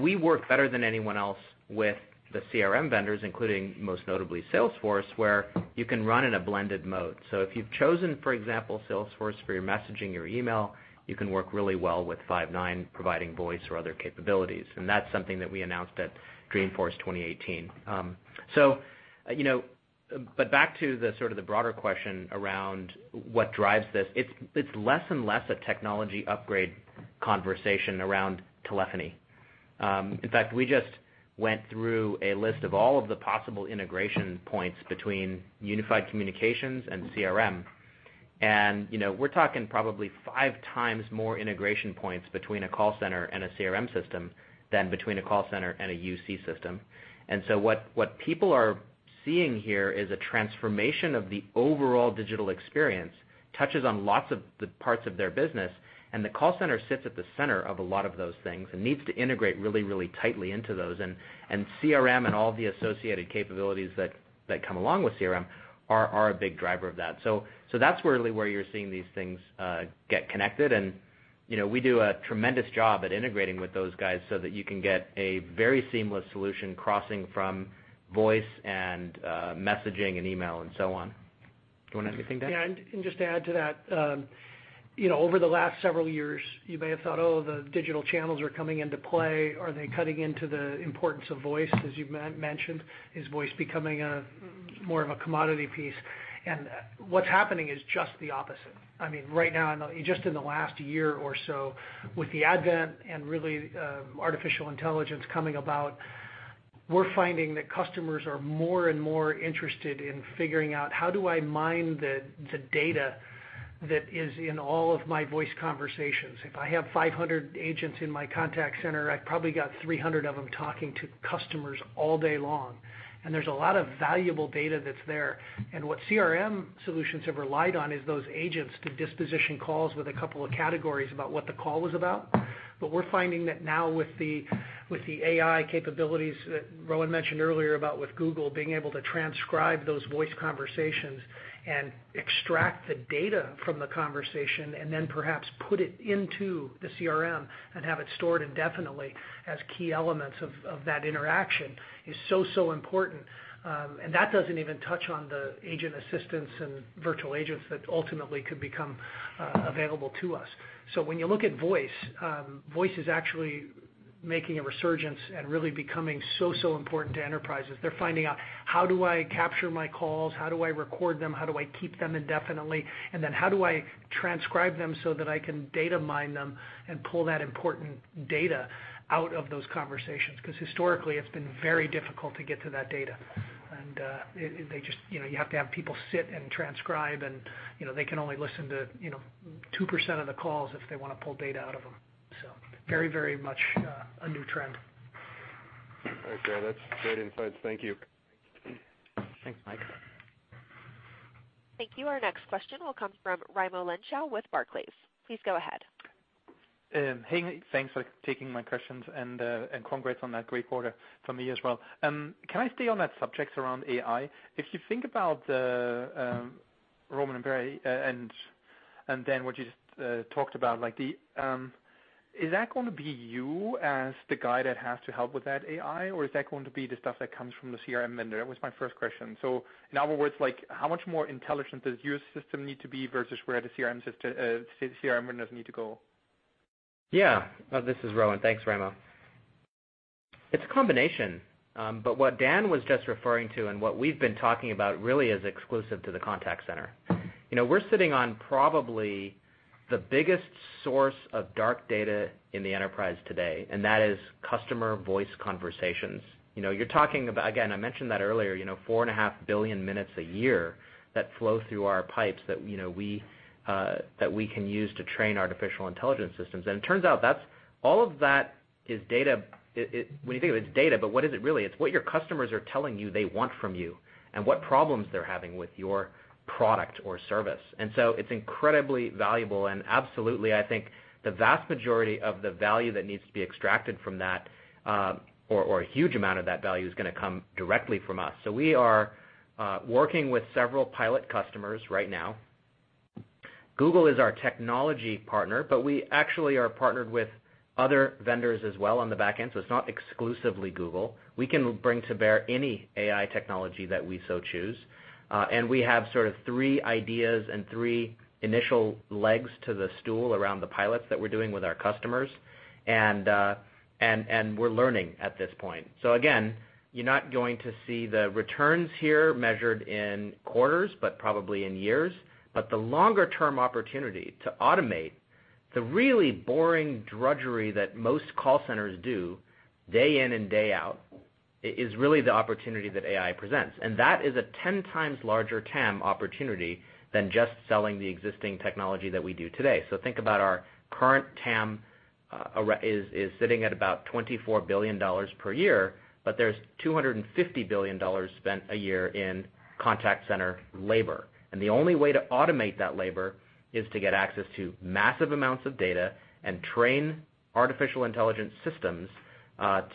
We work better than anyone else with the CRM vendors, including most notably Salesforce, where you can run in a blended mode. If you've chosen, for example, Salesforce for your messaging or email, you can work really well with Five9 providing voice or other capabilities, and that's something that we announced at Dreamforce 2018. Back to the sort of the broader question around what drives this, it's less and less a technology upgrade conversation around telephony. In fact, we just went through a list of all of the possible integration points between unified communications and CRM. We're talking probably five times more integration points between a call center and a CRM system than between a call center and a UC system. What people are seeing here is a transformation of the overall digital experience touches on lots of the parts of their business, and the call center sits at the center of a lot of those things and needs to integrate really tightly into those. CRM and all the associated capabilities that come along with CRM are a big driver of that. That's really where you're seeing these things get connected, and we do a tremendous job at integrating with those guys so that you can get a very seamless solution crossing from voice and messaging and email and so on. Do you want to add anything, Dan? Yeah. Just to add to that, over the last several years, you may have thought, "Oh, the digital channels are coming into play. Are they cutting into the importance of voice?" As you mentioned, is voice becoming more of a commodity piece? What's happening is just the opposite. Right now, just in the last year or so, with the advent and really artificial intelligence coming about, we're finding that customers are more and more interested in figuring out, "How do I mine the data that is in all of my voice conversations?" If I have 500 agents in my contact center, I've probably got 300 of them talking to customers all day long, there's a lot of valuable data that's there. What CRM solutions have relied on is those agents to disposition calls with a couple of categories about what the call was about. We're finding that now with the AI capabilities that Rowan mentioned earlier about with Google being able to transcribe those voice conversations and extract the data from the conversation, then perhaps put it into the CRM and have it stored indefinitely as key elements of that interaction is so important. That doesn't even touch on the agent assistants and virtual agents that ultimately could become available to us. When you look at voice is actually making a resurgence and really becoming so important to enterprises. They're finding out, "How do I capture my calls? How do I record them? How do I keep them indefinitely? Then how do I transcribe them so that I can data mine them and pull that important data out of those conversations?" Because historically, it's been very difficult to get to that data. You have to have people sit and transcribe, they can only listen to 2% of the calls if they want to pull data out of them. Very much a new trend. All right, Dan. That's great insights. Thank you. Thanks, Matt. Thank you. Our next question will come from Raimo Lenschow with Barclays. Please go ahead. Hey. Thanks for taking my questions, congrats on that great quarter from me as well. Can I stay on that subject around AI? If you think about, Rowan and Dan, what you just talked about, is that going to be you as the guy that has to help with that AI, or is that going to be the stuff that comes from the CRM vendor? That was my first question. In other words, how much more intelligent does your system need to be versus where the CRM vendors need to go? Yeah. This is Rowan. Thanks, Raimo. It's a combination. What Dan was just referring to, and what we've been talking about really is exclusive to the contact center. We're sitting on probably the biggest source of dark data in the enterprise today, and that is customer voice conversations. You're talking, again, I mentioned that earlier, 4.5 billion minutes a year that flow through our pipes that we can use to train artificial intelligence systems. It turns out, all of that is data. When you think of it's data, but what is it really? It's what your customers are telling you they want from you, and what problems they're having with your product or service. It's incredibly valuable, and absolutely, I think the vast majority of the value that needs to be extracted from that, or a huge amount of that value, is going to come directly from us. We are working with several pilot customers right now. Google is our technology partner, but we actually are partnered with other vendors as well on the back end, so it's not exclusively Google. We can bring to bear any AI technology that we so choose. We have sort of three ideas and three initial legs to the stool around the pilots that we're doing with our customers. We're learning at this point. Again, you're not going to see the returns here measured in quarters, but probably in years. The longer-term opportunity to automate the really boring drudgery that most call centers do day in and day out, is really the opportunity that AI presents. That is a 10 times larger TAM opportunity than just selling the existing technology that we do today. Think about our current TAM is sitting at about $24 billion per year, but there's $250 billion spent a year in contact center labor. The only way to automate that labor is to get access to massive amounts of data and train artificial intelligence systems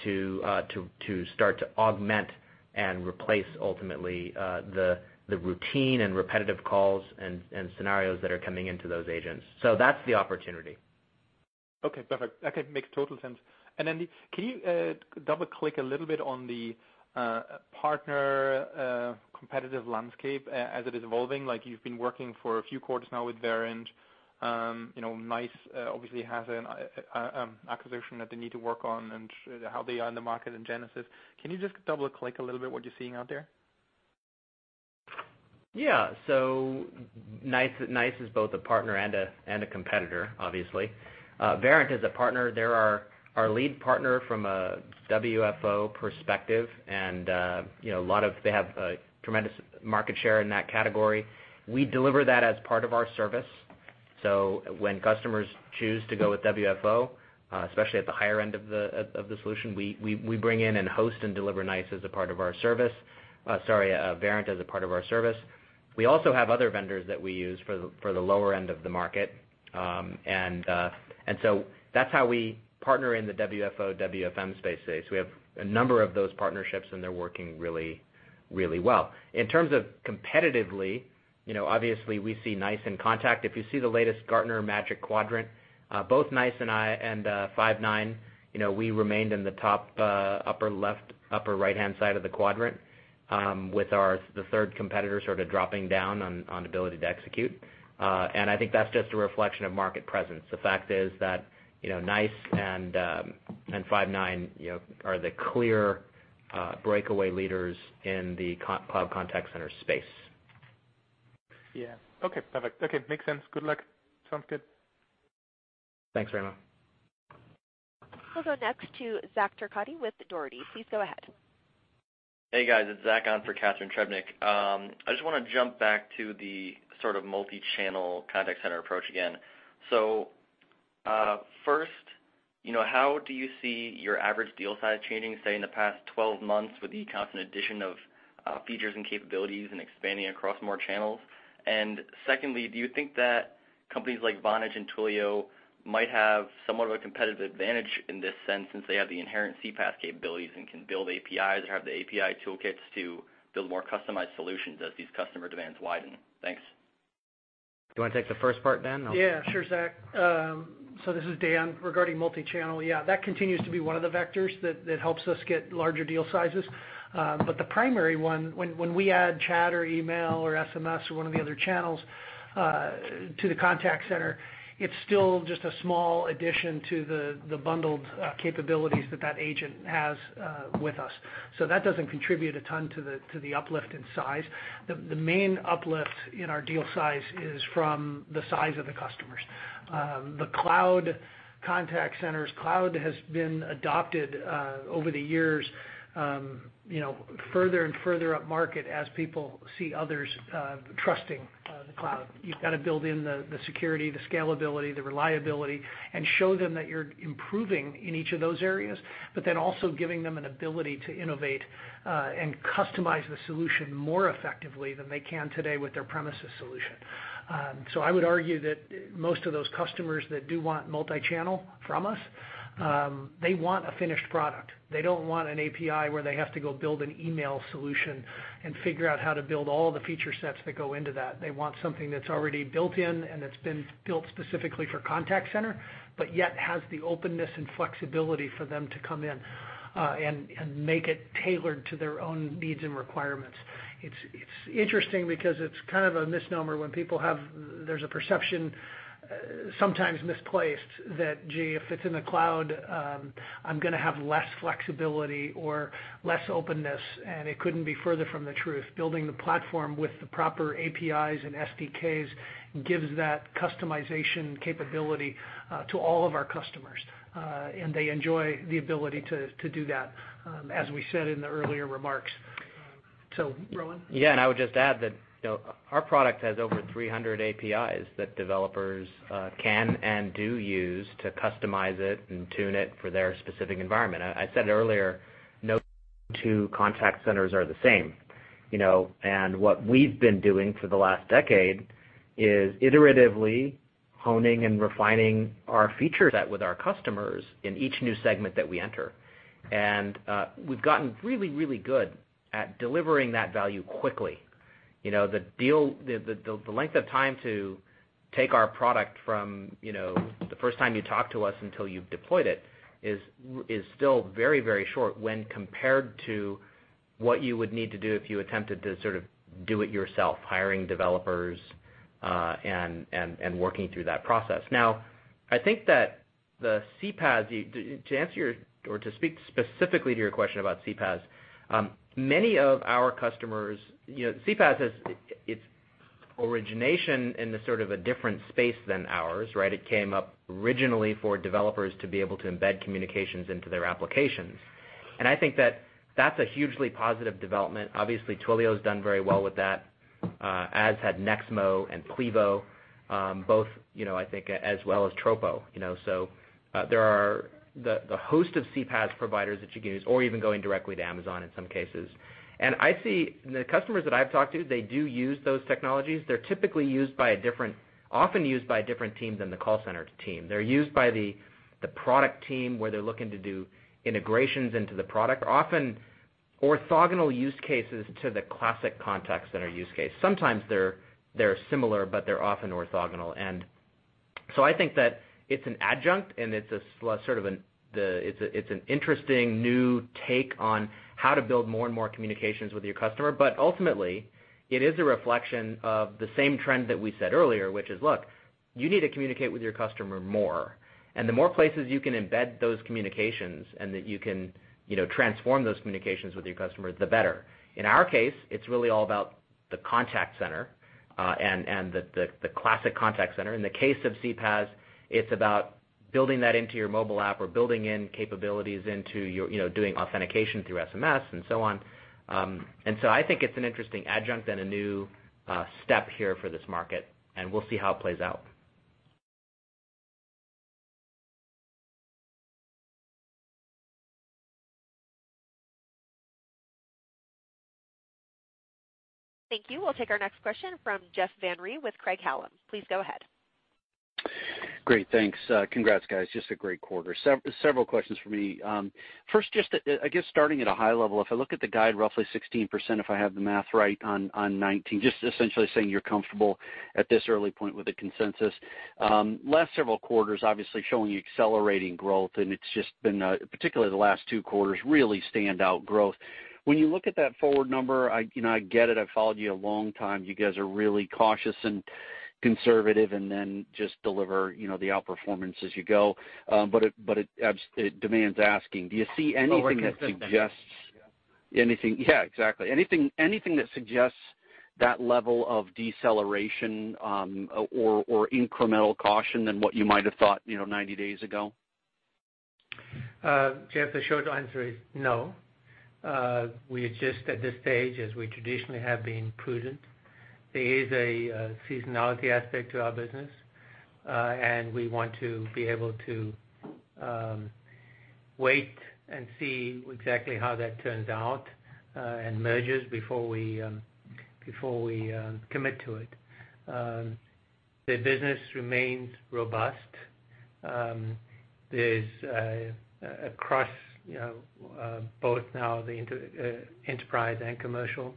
to start to augment and replace, ultimately, the routine and repetitive calls and scenarios that are coming into those agents. That's the opportunity. Okay, perfect. Okay, makes total sense. Can you double-click a little bit on the partner competitive landscape as it is evolving? You've been working for a few quarters now with Verint. NICE, obviously, has an acquisition that they need to work on and how they are in the market in Genesys. Can you just double-click a little what you're seeing out there? Yeah. NICE is both a partner and a competitor, obviously. Verint is a partner. They're our lead partner from a WFO perspective, and they have a tremendous market share in that category. We deliver that as part of our service. When customers choose to go with WFO, especially at the higher end of the solution, we bring in and host and deliver Verint as a part of our service. We also have other vendors that we use for the lower end of the market. That's how we partner in the WFO/WFM space. We have a number of those partnerships, and they're working really well. In terms of competitively, obviously we see NICE inContact. If you see the latest Gartner Magic Quadrant, both NICE and Five9, we remained in the top upper right-hand side of the quadrant, with the third competitor sort of dropping down on ability to execute. I think that's just a reflection of market presence. The fact is that NICE and Five9 are the clear breakaway leaders in the cloud contact center space. Yeah. Okay, perfect. Okay, makes sense. Good luck. Sounds good. Thanks, Raimo. We'll go next to Zack Turcotte with Dougherty. Please go ahead. Hey, guys, it's Zack on for Catharine Trebnick. I just want to jump back to the sort of multi-channel contact center approach again. First, how do you see your average deal size changing, say, in the past 12 months with the constant addition of features and capabilities and expanding across more channels? Secondly, do you think that companies like Vonage and Twilio might have somewhat of a competitive advantage in this sense, since they have the inherent CPaaS capabilities and can build APIs or have the API toolkits to build more customized solutions as these customer demands widen? Thanks. Do you want to take the first part, Dan? Yeah, sure, Zachary. This is Dan. Regarding multi-channel, yeah, that continues to be one of the vectors that helps us get larger deal sizes. The primary one, when we add chat or email or SMS or one of the other channels to the contact center, it's still just a small addition to the bundled capabilities that that agent has with us. That doesn't contribute a ton to the uplift in size. The main uplift in our deal size is from the size of the customers. The cloud contact centers, cloud has been adopted over the years further and further up market as people see others trusting the cloud. You've got to build in the security, the scalability, the reliability, and show them that you're improving in each of those areas, also giving them an ability to innovate and customize the solution more effectively than they can today with their premises solution. I would argue that most of those customers that do want multi-channel from us, they want a finished product. They don't want an API where they have to go build an email solution and figure out how to build all the feature sets that go into that. They want something that's already built-in and that's been built specifically for contact center, yet has the openness and flexibility for them to come in and make it tailored to their own needs and requirements. It's interesting because it's kind of a misnomer when there's a perception, sometimes misplaced, that, "Gee, if it's in the cloud, I'm going to have less flexibility or less openness," and it couldn't be further from the truth. Building the platform with the proper APIs and SDKs gives that customization capability to all of our customers, and they enjoy the ability to do that, as we said in the earlier remarks. Rowan? I would just add that our product has over 300 APIs that developers can and do use to customize it and tune it for their specific environment. I said earlier, no two contact centers are the same. What we've been doing for the last decade is iteratively honing and refining our feature set with our customers in each new segment that we enter. We've gotten really good at delivering that value quickly. The length of time to take our product from the first time you talk to us until you've deployed it is still very short when compared to what you would need to do if you attempted to sort of do it yourself, hiring developers, and working through that process. I think that the CPaaS, to speak specifically to your question about CPaaS, its origination in the sort of a different space than ours. It came up originally for developers to be able to embed communications into their applications. I think that that's a hugely positive development. Obviously, Twilio's done very well with that, as had Nexmo and Plivo, both I think, as well as Tropo. There are the host of CPaaS providers that you can use or even going directly to Amazon in some cases. I see the customers that I've talked to, they do use those technologies. They're often used by a different team than the call center team. They're used by the product team where they're looking to do integrations into the product. Often orthogonal use cases to the classic contact center use case. Sometimes they're similar, they're often orthogonal. I think that it's an adjunct and it's an interesting new take on how to build more and more communications with your customer. Ultimately, it is a reflection of the same trend that we said earlier, which is, look, you need to communicate with your customer more. The more places you can embed those communications and that you can transform those communications with your customer, the better. In our case, it's really all about the contact center, and the classic contact center. In the case of CPaaS, it's about building that into your mobile app or building in capabilities into doing authentication through SMS and so on. I think it's an interesting adjunct and a new step here for this market, we'll see how it plays out. Thank you. We will take our next question from Jeff Van Rhee with Craig-Hallum. Please go ahead. Great, thanks. Congrats, guys. Just a great quarter. Several questions for me. First, just I guess starting at a high level, if I look at the guide, roughly 16%, if I have the math right, on 19, just essentially saying you are comfortable at this early point with the consensus. Last several quarters, obviously, showing accelerating growth, and it has just been, particularly the last two quarters, really standout growth. When you look at that forward number, I get it, I have followed you a long time. You guys are really cautious and conservative and then just deliver the outperformance as you go. It demands asking, do you see anything that suggests- Over a few quarters, yeah. Yeah, exactly. Anything that suggests that level of deceleration or incremental caution than what you might have thought 90 days ago? Jeff Van Rhee, the short answer is no. We are just at this stage, as we traditionally have been, prudent. There is a seasonality aspect to our business. We want to be able to wait and see exactly how that turns out and merges before we commit to it. The business remains robust. There is across both now the enterprise and commercial.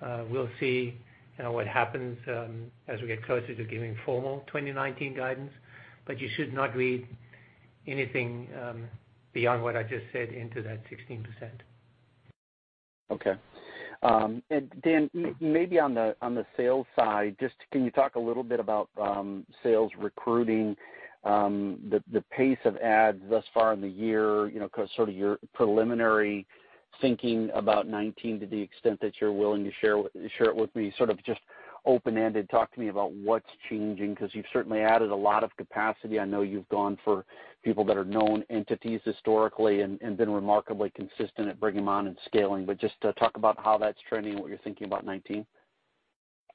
We will see what happens as we get closer to giving formal 2019 guidance, you should not read anything beyond what I just said into that 16%. Okay. Dan Burkland, maybe on the sales side, just can you talk a little bit about sales recruiting, the pace of ads thus far in the year, sort of your preliminary thinking about 2019 to the extent that you are willing to share it with me, sort of just open-ended, talk to me about what is changing, because you have certainly added a lot of capacity. I know you have gone for people that are known entities historically and been remarkably consistent at bringing them on and scaling, just talk about how that is trending and what you are thinking about 2019.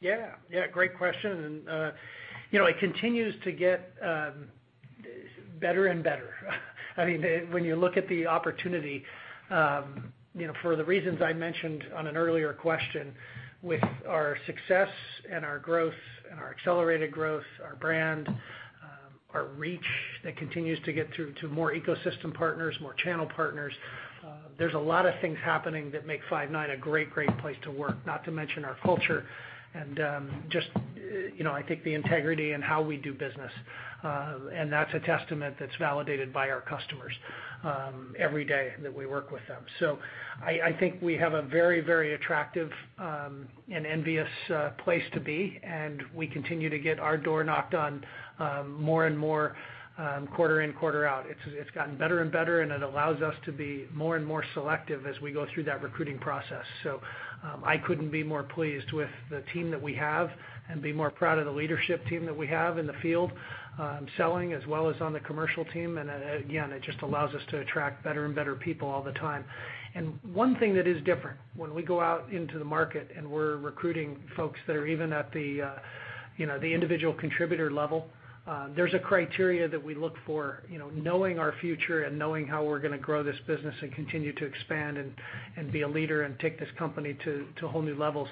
Yeah. Great question. It continues to get better and better. When you look at the opportunity, for the reasons I mentioned on an earlier question, with our success and our growth and our accelerated growth, our brand, our reach that continues to get through to more ecosystem partners, more channel partners. There is a lot of things happening that make Five9 a great place to work, not to mention our culture and just, I think the integrity in how we do business. That is a testament that is validated by our customers every day that we work with them. I think we have a very attractive and envious place to be, and we continue to get our door knocked on more and more quarter in, quarter out. It has gotten better and better, and it allows us to be more and more selective as we go through that recruiting process. I could not be more pleased with the team that we have and be more proud of the leadership team that we have in the field, selling as well as on the commercial team. Again, it just allows us to attract better and better people all the time. One thing that is different when we go out into the market and we are recruiting folks that are even at the individual contributor level, there is a criteria that we look for, knowing our future and knowing how we are going to grow this business and continue to expand and be a leader and take this company to whole new levels.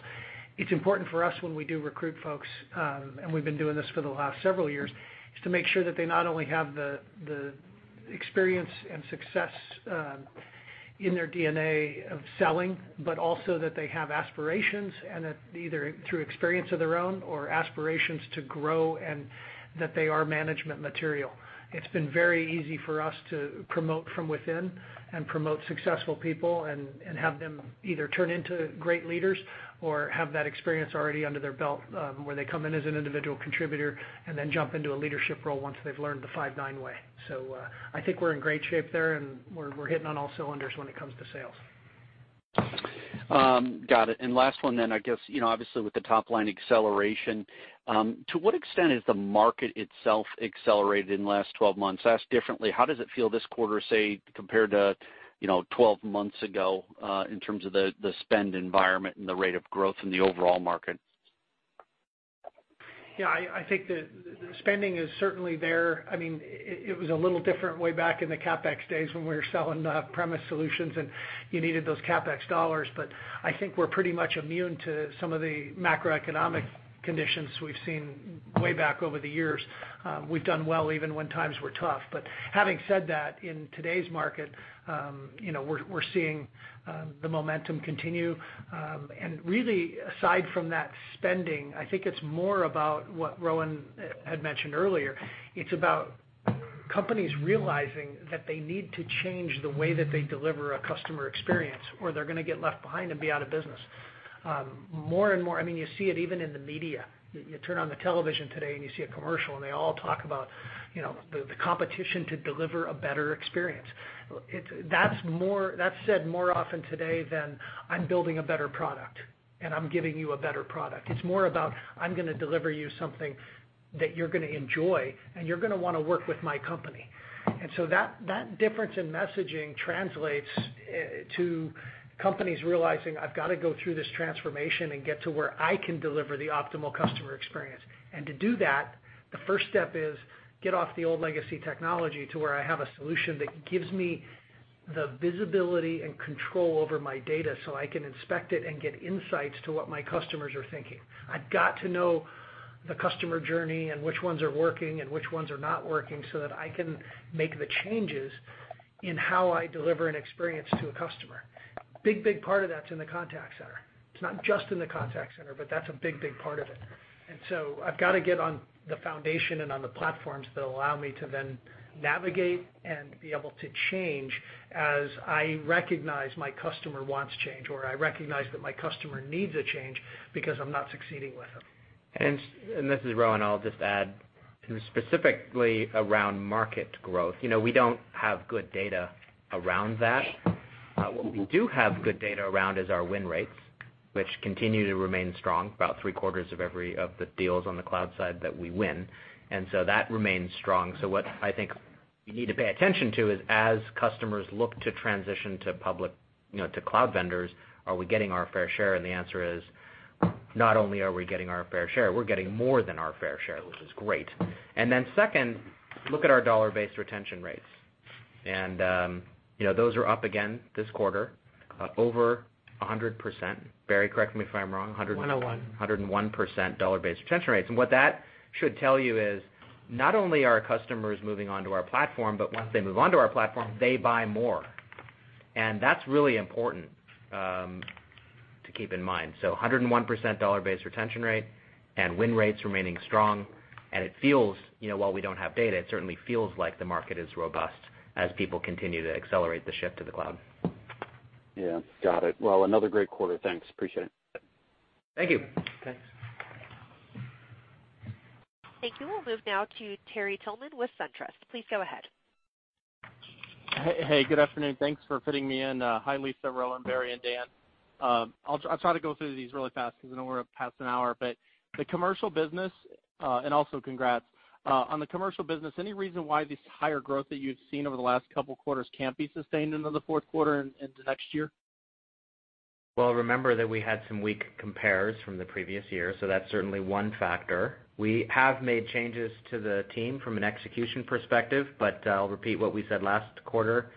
It's important for us when we do recruit folks, and we've been doing this for the last several years, is to make sure that they not only have the experience and success in their DNA of selling, but also that they have aspirations, and that either through experience of their own or aspirations to grow, and that they are management material. It's been very easy for us to promote from within and promote successful people and have them either turn into great leaders or have that experience already under their belt, where they come in as an individual contributor and then jump into a leadership role once they've learned the Five9 way. I think we're in great shape there, and we're hitting on all cylinders when it comes to sales. Got it. Last one then. I guess, obviously, with the top-line acceleration, to what extent is the market itself accelerated in the last 12 months? Asked differently, how does it feel this quarter, say, compared to 12 months ago, in terms of the spend environment and the rate of growth in the overall market? Yeah, I think the spending is certainly there. It was a little different way back in the CapEx days when we were selling premise solutions, and you needed those CapEx dollars. I think we're pretty much immune to some of the macroeconomic conditions we've seen way back over the years. We've done well even when times were tough. Having said that, in today's market, we're seeing the momentum continue. Really, aside from that spending, I think it's more about what Rowan had mentioned earlier. It's about companies realizing that they need to change the way that they deliver a customer experience, or they're going to get left behind and be out of business. More and more, you see it even in the media. You turn on the television today, and you see a commercial, and they all talk about the competition to deliver a better experience. That's said more often today than, "I'm building a better product, and I'm giving you a better product." It's more about, "I'm going to deliver you something that you're going to enjoy, and you're going to want to work with my company." That difference in messaging translates to companies realizing, "I've got to go through this transformation and get to where I can deliver the optimal customer experience." To do that, the first step is get off the old legacy technology to where I have a solution that gives me the visibility and control over my data so I can inspect it and get insights to what my customers are thinking. I've got to know the customer journey and which ones are working and which ones are not working so that I can make the changes in how I deliver an experience to a customer. Big part of that's in the contact center. It's not just in the contact center, but that's a big part of it. I've got to get on the foundation and on the platforms that allow me to then navigate and be able to change as I recognize my customer wants change, or I recognize that my customer needs a change because I'm not succeeding with them. This is Rowan. I'll just add specifically around market growth. We don't have good data around that. What we do have good data around is our win rates, which continue to remain strong. About three-quarters of the deals on the cloud side that we win. That remains strong. What I think you need to pay attention to is as customers look to transition to cloud vendors, are we getting our fair share? The answer is, not only are we getting our fair share, we're getting more than our fair share, which is great. Then second, look at our dollar-based retention rates. Those are up again this quarter, up over 100%. Barry, correct me if I'm wrong. 100- 101 101% dollar-based retention rates. What that should tell you is not only are customers moving onto our platform, but once they move onto our platform, they buy more. That's really important to keep in mind. 101% dollar-based retention rate and win rates remaining strong, while we don't have data, it certainly feels like the market is robust as people continue to accelerate the shift to the cloud. Yeah. Got it. Well, another great quarter. Thanks. Appreciate it. Thank you. Thanks. Thank you. We'll move now to Terrell Tillman with SunTrust. Please go ahead. Hey, good afternoon. Thanks for fitting me in. Hi, Lisa, Rowan, Barry, and Dan. I'll try to go through these really fast because I know we're past an hour. On the commercial business, any reason why this higher growth that you've seen over the last couple of quarters can't be sustained into the fourth quarter and into next year? Well, remember that we had some weak compares from the previous year, so that's certainly one factor. We have made changes to the team from an execution perspective, but I'll repeat what we said last quarter.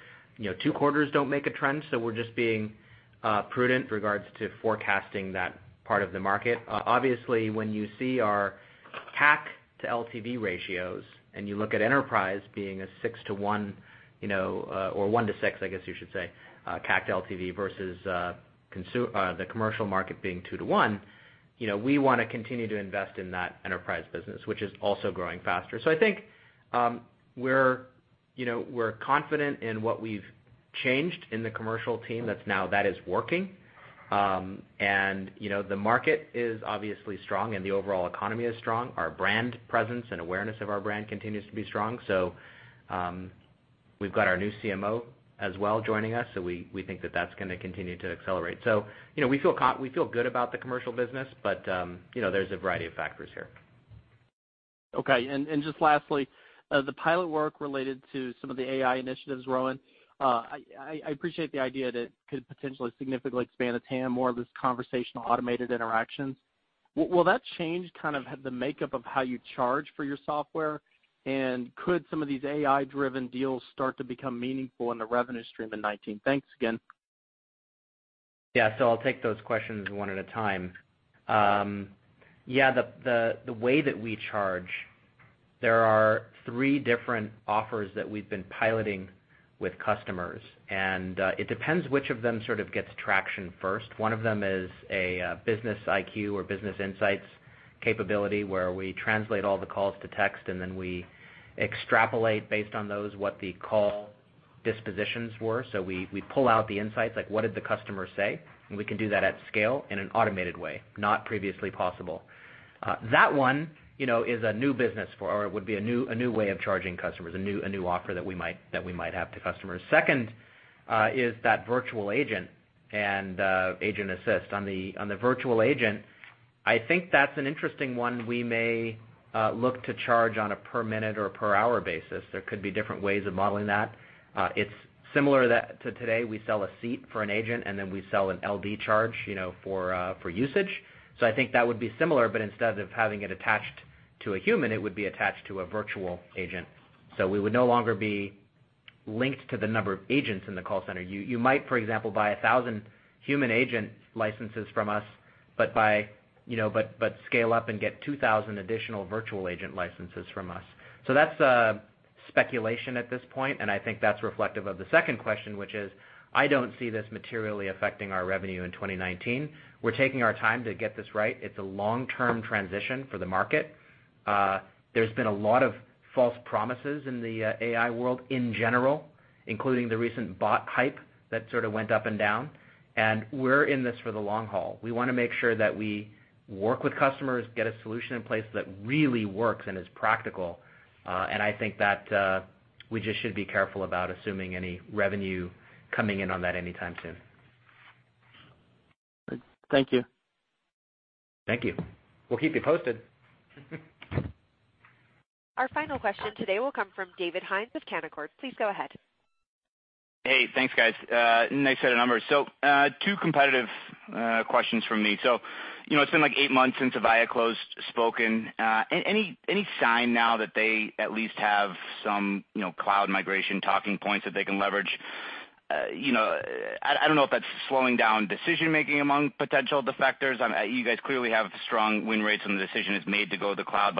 Two quarters don't make a trend, so we're just being prudent in regards to forecasting that part of the market. Obviously, when you see our CAC to LTV ratios and you look at enterprise being a six to one, or one to six, I guess you should say, CAC to LTV versus the commercial market being two to one, we want to continue to invest in that enterprise business, which is also growing faster. I think we're confident in what we've changed in the commercial team that now that is working. The market is obviously strong and the overall economy is strong. Our brand presence and awareness of our brand continues to be strong. We've got our new CMO as well joining us, so we think that that's going to continue to accelerate. We feel good about the commercial business, but there's a variety of factors here. Okay. Just lastly, the pilot work related to some of the AI initiatives, Rowan. I appreciate the idea that could potentially significantly expand the TAM, more of this conversational automated interactions. Will that change kind of the makeup of how you charge for your software? Could some of these AI-driven deals start to become meaningful in the revenue stream in 2019? Thanks again. Yeah. I'll take those questions one at a time. Yeah, the way that we charge, there are 3 different offers that we've been piloting with customers, and it depends which of them sort of gets traction first. One of them is a business IQ or business insights capability where we translate all the calls to text, then we extrapolate based on those what the call dispositions were. We pull out the insights like, what did the customer say? We can do that at scale in an automated way, not previously possible. That one is a new business or would be a new way of charging customers, a new offer that we might have to customers. Second is that virtual agent and agent assist. On the virtual agent, I think that's an interesting one we may look to charge on a per minute or per hour basis. There could be different ways of modeling that. It's similar that to today, we sell a seat for an agent, then we sell an LD charge for usage. I think that would be similar, but instead of having it attached to a human, it would be attached to a virtual agent. We would no longer be linked to the number of agents in the call center. You might, for example, buy 1,000 human agent licenses from us, but scale up and get 2,000 additional virtual agent licenses from us. That's speculation at this point, and I think that's reflective of the second question, which is, I don't see this materially affecting our revenue in 2019. We're taking our time to get this right. It's a long-term transition for the market. There's been a lot of false promises in the AI world in general, including the recent bot hype that sort of went up and down. We're in this for the long haul. We want to make sure that we work with customers, get a solution in place that really works and is practical. I think that we just should be careful about assuming any revenue coming in on that anytime soon. Thank you. Thank you. We'll keep you posted. Our final question today will come from David Hynes with Canaccord. Please go ahead. Hey, thanks, guys. Nice set of numbers. Two competitive questions from me. It's been eight months since Avaya closed Spoken. Any sign now that they at least have some cloud migration talking points that they can leverage? I don't know if that's slowing down decision-making among potential defectors. You guys clearly have strong win rates when the decision is made to go to the cloud.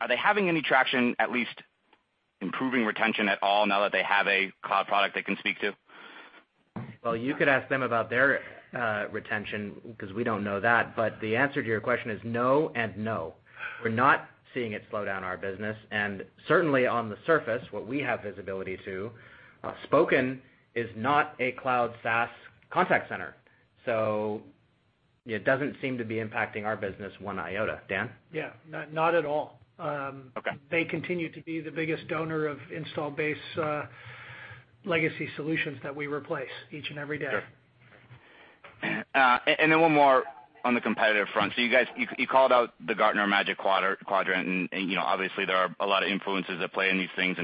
Are they having any traction, at least improving retention at all now that they have a cloud product they can speak to? You could ask them about their retention because we don't know that. The answer to your question is no and no. We're not seeing it slow down our business, and certainly on the surface, what we have visibility to, Spoken is not a cloud SaaS contact center. It doesn't seem to be impacting our business one iota. Dan? Yeah. Not at all. Okay. They continue to be the biggest donor of install base legacy solutions that we replace each and every day. Sure. Then one more on the competitive front. You guys, you called out the Gartner Magic Quadrant, obviously there are a lot of influences at play in these things.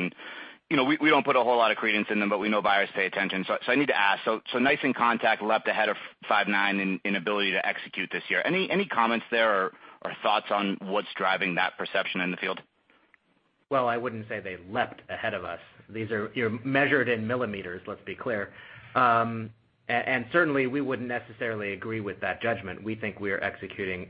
We don't put a whole lot of credence in them, but we know buyers pay attention. I need to ask, NICE inContact leapt ahead of Five9 in ability to execute this year. Any comments there or thoughts on what's driving that perception in the field? Well, I wouldn't say they leapt ahead of us. You're measured in millimeters, let's be clear. Certainly, we wouldn't necessarily agree with that judgment. We think we are executing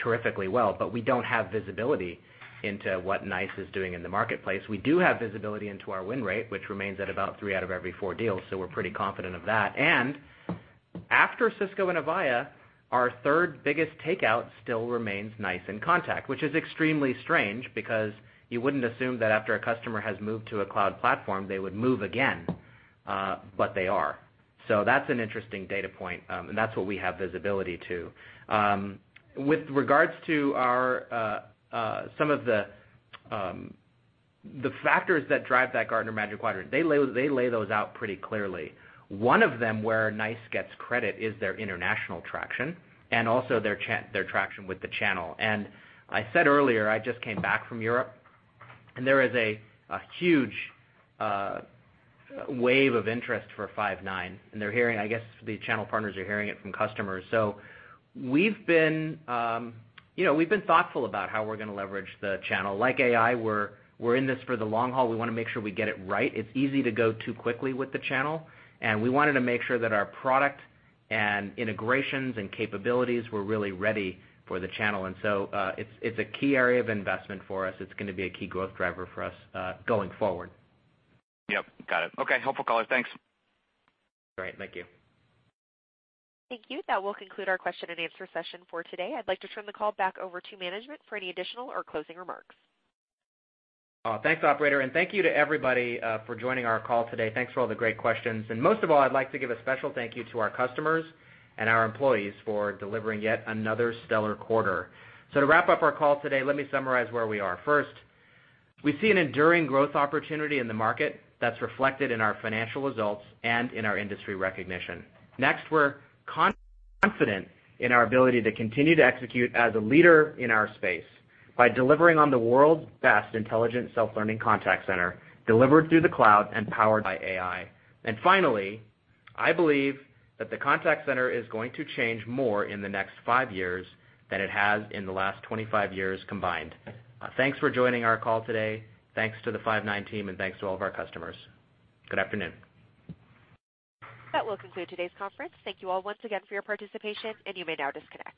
terrifically well, but we don't have visibility into what NICE is doing in the marketplace. We do have visibility into our win rate, which remains at about three out of every four deals, so we're pretty confident of that. After Cisco and Avaya, our third biggest takeout still remains NICE inContact, which is extremely strange because you wouldn't assume that after a customer has moved to a cloud platform, they would move again. They are. That's an interesting data point, that's what we have visibility to. With regards to some of the factors that drive that Gartner Magic Quadrant, they lay those out pretty clearly. One of them where NICE gets credit is their international traction and also their traction with the channel. I said earlier, I just came back from Europe, there is a huge wave of interest for Five9, they're hearing, I guess the channel partners are hearing it from customers. We've been thoughtful about how we're going to leverage the channel. Like AI, we're in this for the long haul. We want to make sure we get it right. It's easy to go too quickly with the channel, we wanted to make sure that our product and integrations and capabilities were really ready for the channel. It's a key area of investment for us. It's going to be a key growth driver for us, going forward. Yep, got it. Okay, helpful color. Thanks. Great. Thank you. Thank you. That will conclude our question and answer session for today. I'd like to turn the call back over to management for any additional or closing remarks. Thanks, operator, and thank you to everybody for joining our call today. Thanks for all the great questions. Most of all, I'd like to give a special thank you to our customers and our employees for delivering yet another stellar quarter. To wrap up our call today, let me summarize where we are. First, we see an enduring growth opportunity in the market that's reflected in our financial results and in our industry recognition. Next, we're confident in our ability to continue to execute as a leader in our space by delivering on the world's best intelligent self-learning contact center, delivered through the cloud and powered by AI. Finally, I believe that the contact center is going to change more in the next five years than it has in the last 25 years combined. Thanks for joining our call today. Thanks to the Five9 team, and thanks to all of our customers. Good afternoon. That will conclude today's conference. Thank you all once again for your participation, and you may now disconnect.